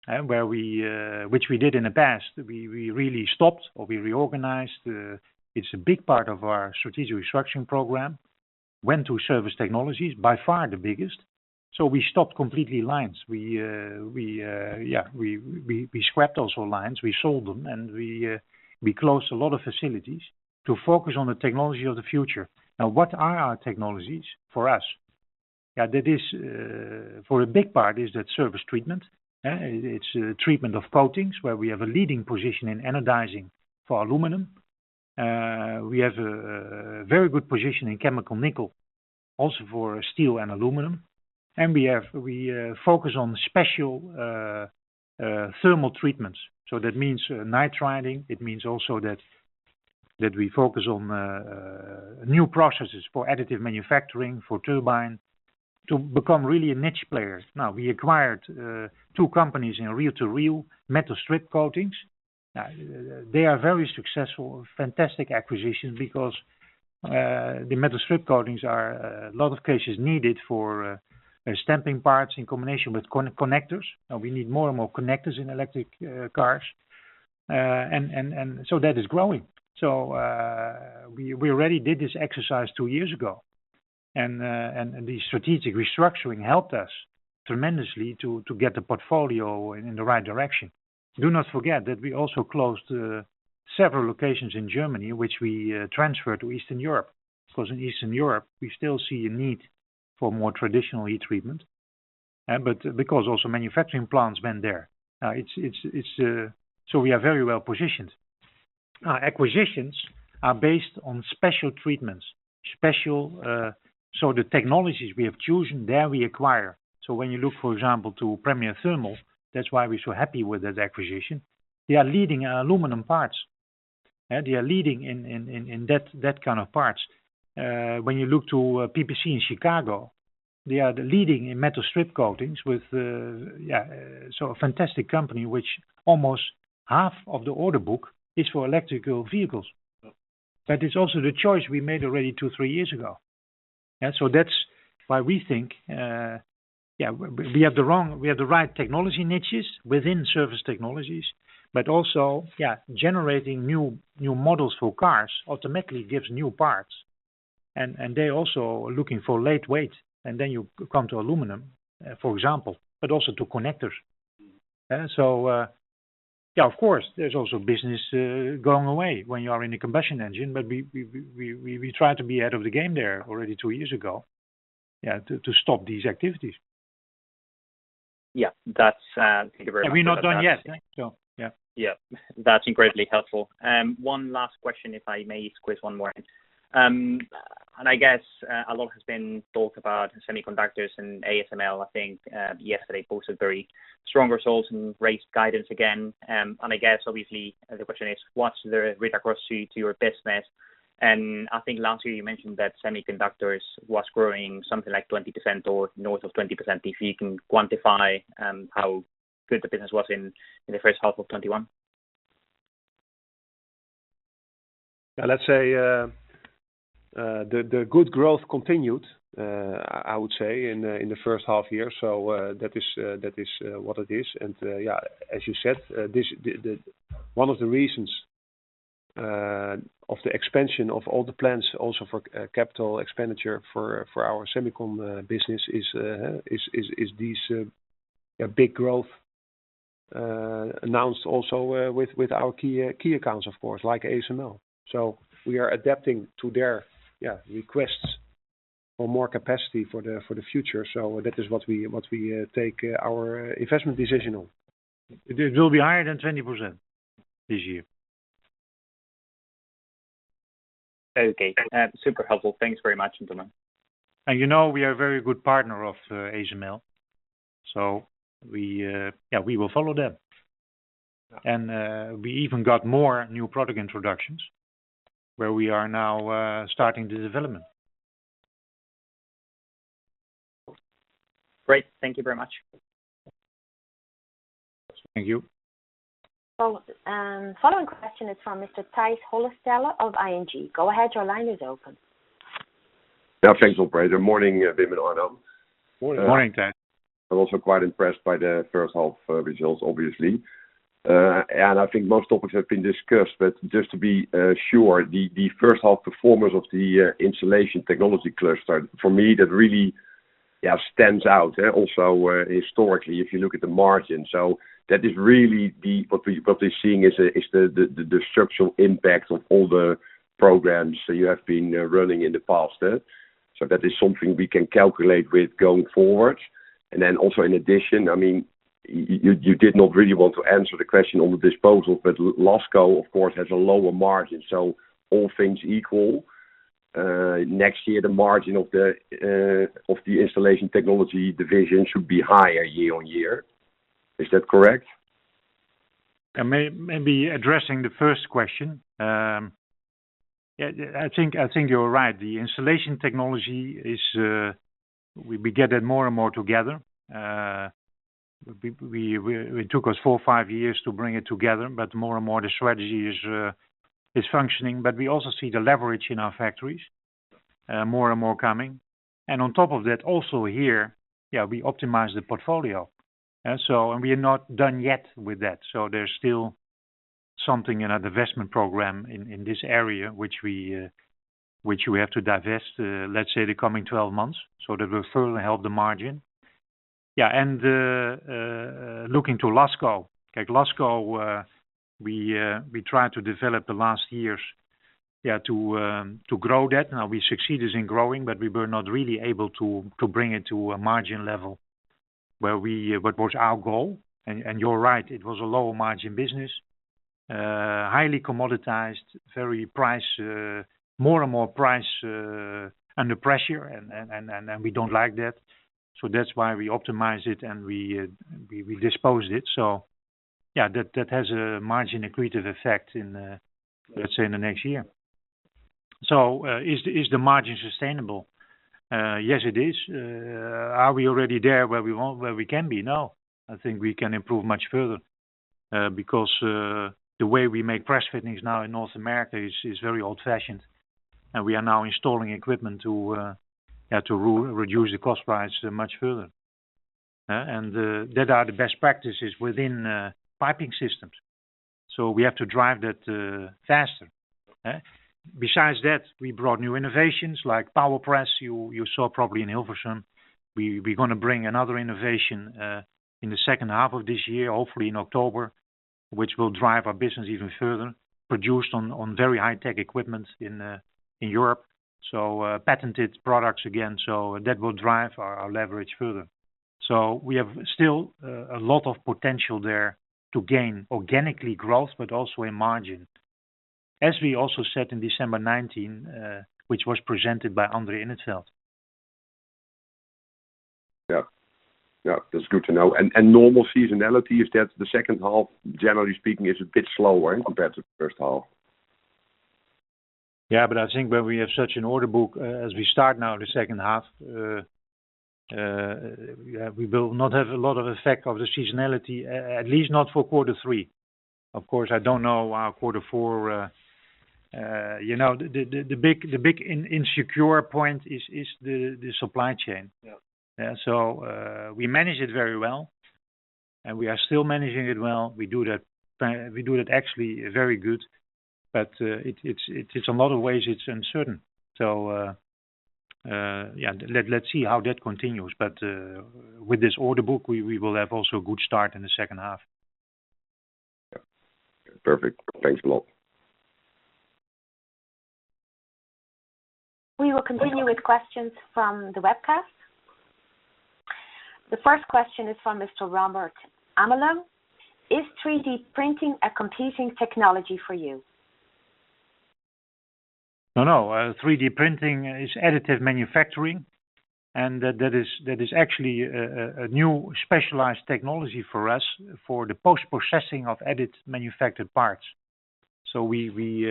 which we did in the past, we really stopped, or we reorganized. It's a big part of our strategic restructuring program. Went to surface technologies by far the biggest. We stopped completely lines. We scrapped also lines, we sold them, and we closed a lot of facilities to focus on the technology of the future. What are our technologies for us? That is for a big part, is that surface treatment. It's treatment of coatings where we have a leading position in anodizing for aluminum. We have a very good position in chemical nickel also for steel and aluminum. We focus on special thermal treatments. That means nitriding. It means also that we focus on new processes for additive manufacturing, for turbine to become really a niche player. We acquired two companies in reel-to-reel metal strip coatings. They are very successful, fantastic acquisitions because the metal strip coatings are a lot of cases needed for stamping parts in combination with connectors. We need more and more connectors in electric cars. That is growing. We already did this exercise two years ago, and the strategic restructuring helped us tremendously to get the portfolio in the right direction. Do not forget that we also closed several locations in Germany, which we transferred to Eastern Europe. Because in Eastern Europe, we still see a need for more traditional heat treatment. Because also manufacturing plants went there, so we are very well positioned. Acquisitions are based on special treatments. The technologies we have chosen there, we acquire. When you look, for example, to Premier Thermal, that's why we're so happy with that acquisition. They are leading aluminum parts, and they are leading in that kind of parts. When you look to PPC in Chicago, they are the leading in metal strip coatings. A fantastic company, which almost half of the order book is for electrical vehicles. It's also the choice we made already two, three years ago. That's why we think we have the right technology niches within surface technologies, but also generating new models for cars automatically gives new parts, and they also are looking for lightweight. Then you come to aluminum, for example, but also to connectors. Yeah, of course, there's also business going away when you are in a combustion engine. We try to be ahead of the game there already two years ago, to stop these activities. Yeah. Thank you very much. We're not done yet. Yeah. That's incredibly helpful. One last question, if I may squeeze one more in. I guess a lot has been talked about semiconductors and ASML, I think, yesterday posted very strong results and raised guidance again. I guess obviously the question is, what's the read-across to your business? I think last year you mentioned that semiconductors was growing something like 20% or north of 20%, if you can quantify how good the business was in the first half of 2021. Let's say, the good growth continued, I would say, in the first half year. That is what it is. As you said, one of the reasons of the expansion of all the plans also for capital expenditure for our semicon business is this a big growth announced also with our key accounts, of course, like ASML. We are adapting to their requests for more capacity for the future. That is what we take our investment decision on. It will be higher than 20% this year. Okay. Super helpful. Thanks very much, Arno. We are a very good partner of ASML, so we will follow them. We even got more new product introductions where we are now starting the development. Great. Thank you very much. Thank you. Following question is from Mr. Tijs Hollestelle of ING. Go ahead. Your line is open. Thanks, operator. Morning, Wim and Arno. Morning. Morning, Tijs. I'm also quite impressed by the first half results, obviously. I think most topics have been discussed, but just to be sure, the first half performance of the Installation Technology cluster, for me, that really stands out also historically, if you look at the margin. That is really what we're seeing is the structural impact of all the programs that you have been running in the past. That is something we can calculate with going forward. In addition, I mean, you did not really want to answer the question on the disposal, but Lasco, of course, has a lower margin. All things equal, next year, the margin of the Installation Technology division should be higher year-on-year. Is that correct? Maybe addressing the first question. I think you're right. The Installation Technology, we get it more and more together. It took us four or five years to bring it together, but more and more the strategy is functioning, but we also see the leverage in our factories more and more coming. On top of that, also here, we optimize the portfolio. We are not done yet with that. There's still something in a divestment program in this area, which we have to divest, let's say, the coming 12 months, so that will further help the margin. Looking to Lasco. Lasco, we tried to develop the last years to grow that. Now we succeeded in growing, but we were not really able to bring it to a margin level what was our goal. You're right, it was a low margin business, highly commoditized, more and more price under pressure, and we don't like that. That's why we optimize it and we dispose it. That has a margin accretive effect in, let's say, the next year. Is the margin sustainable? Yes, it is. Are we already there where we can be? No, I think we can improve much further, because the way we make press fittings now in North America is very old-fashioned, and we are now installing equipment to reduce the cost price much further. That are the best practices within piping systems. We have to drive that faster. Besides that, we brought new innovations like PowerPress. You saw probably in Hilversum, we going to bring another innovation in the second half of this year, hopefully in October, which will drive our business even further, produced on very high-tech equipment in Europe. Patented products again, that will drive our leverage further. We have still a lot of potential there to gain organically growth, but also in margin. As we also said in December 2019, which was presented by André in het Veld. Yeah. That's good to know. Normal seasonality, if that's the second half, generally speaking, is a bit slower compared to first half. Yeah, I think when we have such an order book as we start now the second half, we will not have a lot of effect of the seasonality, at least not for quarter three. Of course, I don't know quarter four. The big insecure point is the supply chain. Yeah. We manage it very well, and we are still managing it well. We do that actually very good, but it's a lot of ways it's uncertain. Let's see how that continues. With this order book, we will have also a good start in the second half. Yeah. Perfect. Thanks a lot. We will continue with questions from the webcast. The first question is from Mr. Robert Amelam. Is 3D printing a competing technology for you? 3D printing is additive manufacturing, and that is actually a new specialized technology for us for the post-processing of additive manufactured parts. We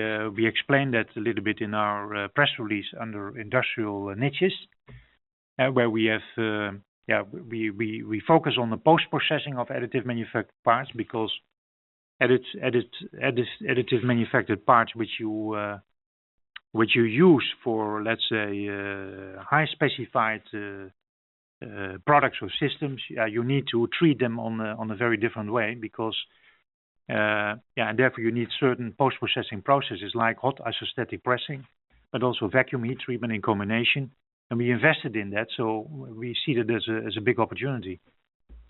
explained that a little bit in our press release under industrial niches, where we focus on the post-processing of additive manufactured parts, because additive manufactured parts which you use for, let's say, high specified products or systems, you need to treat them on a very different way because and therefore you need certain post-processing processes like hot isostatic pressing, but also vacuum heat treatment in combination. We invested in that, we see that as a big opportunity.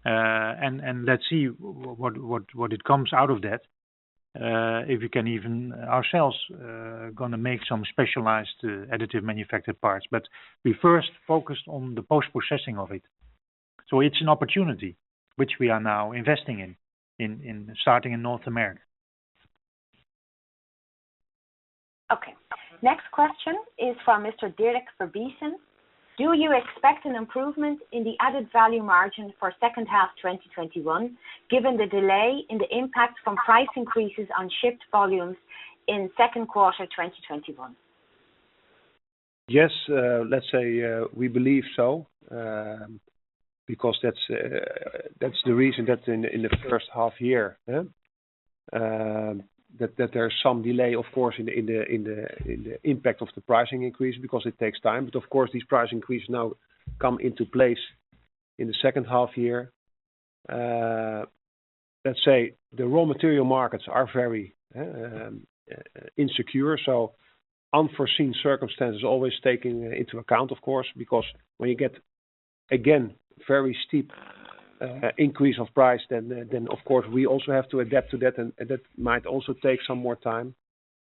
Let's see what it comes out of that, if we can even ourselves going to make some specialized additive manufactured parts. We first focused on the post-processing of it. It's an opportunity which we are now investing in, starting in North America. Okay. Next question is from Mr. Dirk Verbiesen. Do you expect an improvement in the added value margin for second half 2021, given the delay in the impact from price increases on shipped volumes in Q2 2021? Yes, we believe so, because that's the reason that in the first half year, that there's some delay, of course, in the impact of the pricing increase because it takes time. Of course, these price increase now come into place in the second half year. The raw material markets are very insecure, unforeseen circumstances always taking into account, of course, because when you get, again, very steep increase of price, of course, we also have to adapt to that, and that might also take some more time.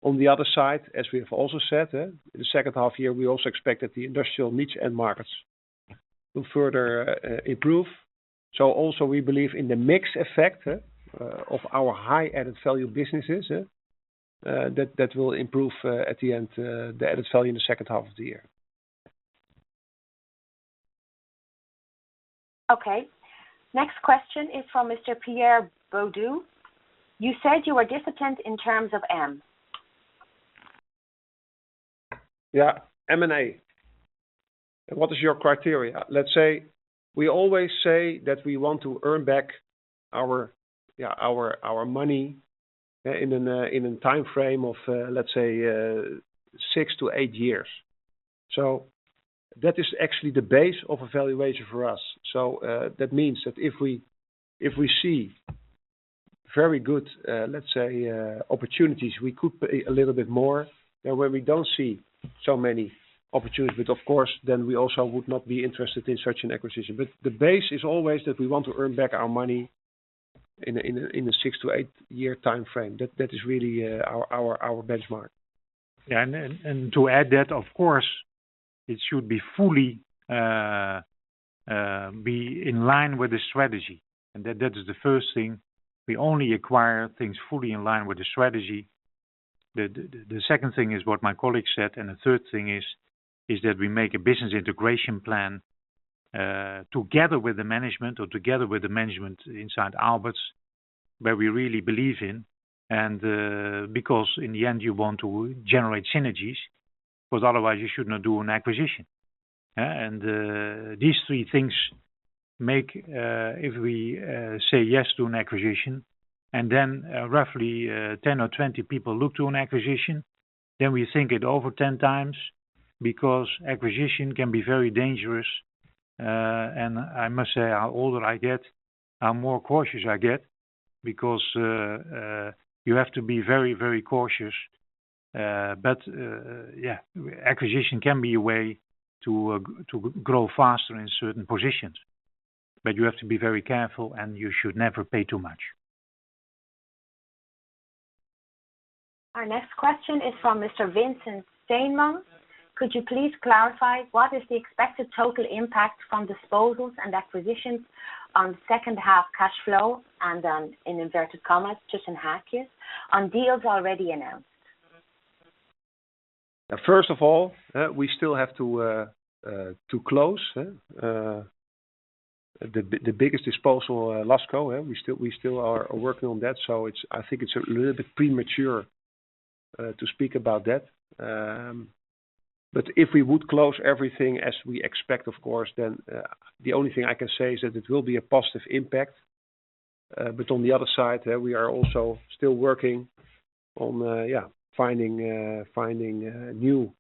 On the other side, as we have also said, in the second half year, we also expect that the industrial niche end markets will further improve. Also we believe in the mix effect of our high added-value businesses, that will improve at the end, the added value in the second half of the year. Okay. Next question is from Mr. Pierre Beaudoin. You said you were disciplined in terms of M&A. Yeah, M&A. What is your criteria? Let's say we always say that we want to earn back our money in a timeframe of, let's say, six to eight years. That is actually the base of evaluation for us. That means that if we see very good, let's say, opportunities, we could pay a little bit more. Where we don't see so many opportunities, of course, then we also would not be interested in such an acquisition. The base is always that we want to earn back our money in a six to eight-year timeframe. That is really our benchmark. To add that, of course, it should be fully be in line with the strategy. That is the first thing. We only acquire things fully in line with the strategy. The second thing is what my colleague said, and the third thing is that we make a business integration plan, together with the management or together with the management inside Aalberts, where we really believe in and because in the end, you want to generate synergies, because otherwise you should not do an acquisition. These three things make, if we say yes to an acquisition and then roughly 10 or 20 people look to an acquisition, then we think it over 10 times because acquisition can be very dangerous. I must say, how older I get, how more cautious I get because you have to be very cautious. Yeah, acquisition can be a way to grow faster in certain positions. You have to be very careful and you should never pay too much. Our next question is from Mr. Vincent Steenman. Could you please clarify what is the expected total impact from disposals and acquisitions on second half cash flow and then in inverted commas, just in haakjes, on deals already announced? First of all, we still have to close the biggest disposal, Lasco. We still are working on that. I think it's a little bit premature to speak about that. If we would close everything as we expect, of course, then the only thing I can say is that it will be a positive impact. On the other side, we are also still working on finding new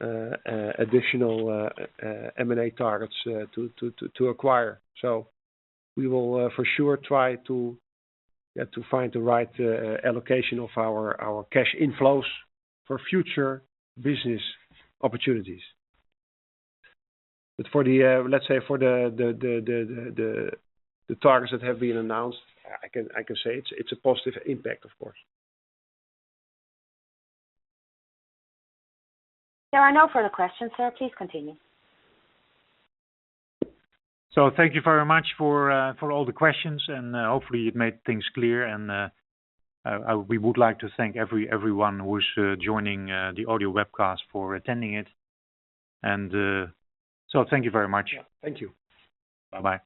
additional M&A targets to acquire. We will for sure try to find the right allocation of our cash inflows for future business opportunities. Let's say for the targets that have been announced, I can say it's a positive impact, of course. There are no further questions, sir. Please continue. Thank you very much for all the questions, and hopefully it made things clear. We would like to thank everyone who's joining the audio webcast for attending it. Thank you very much. Yeah. Thank you. Bye-bye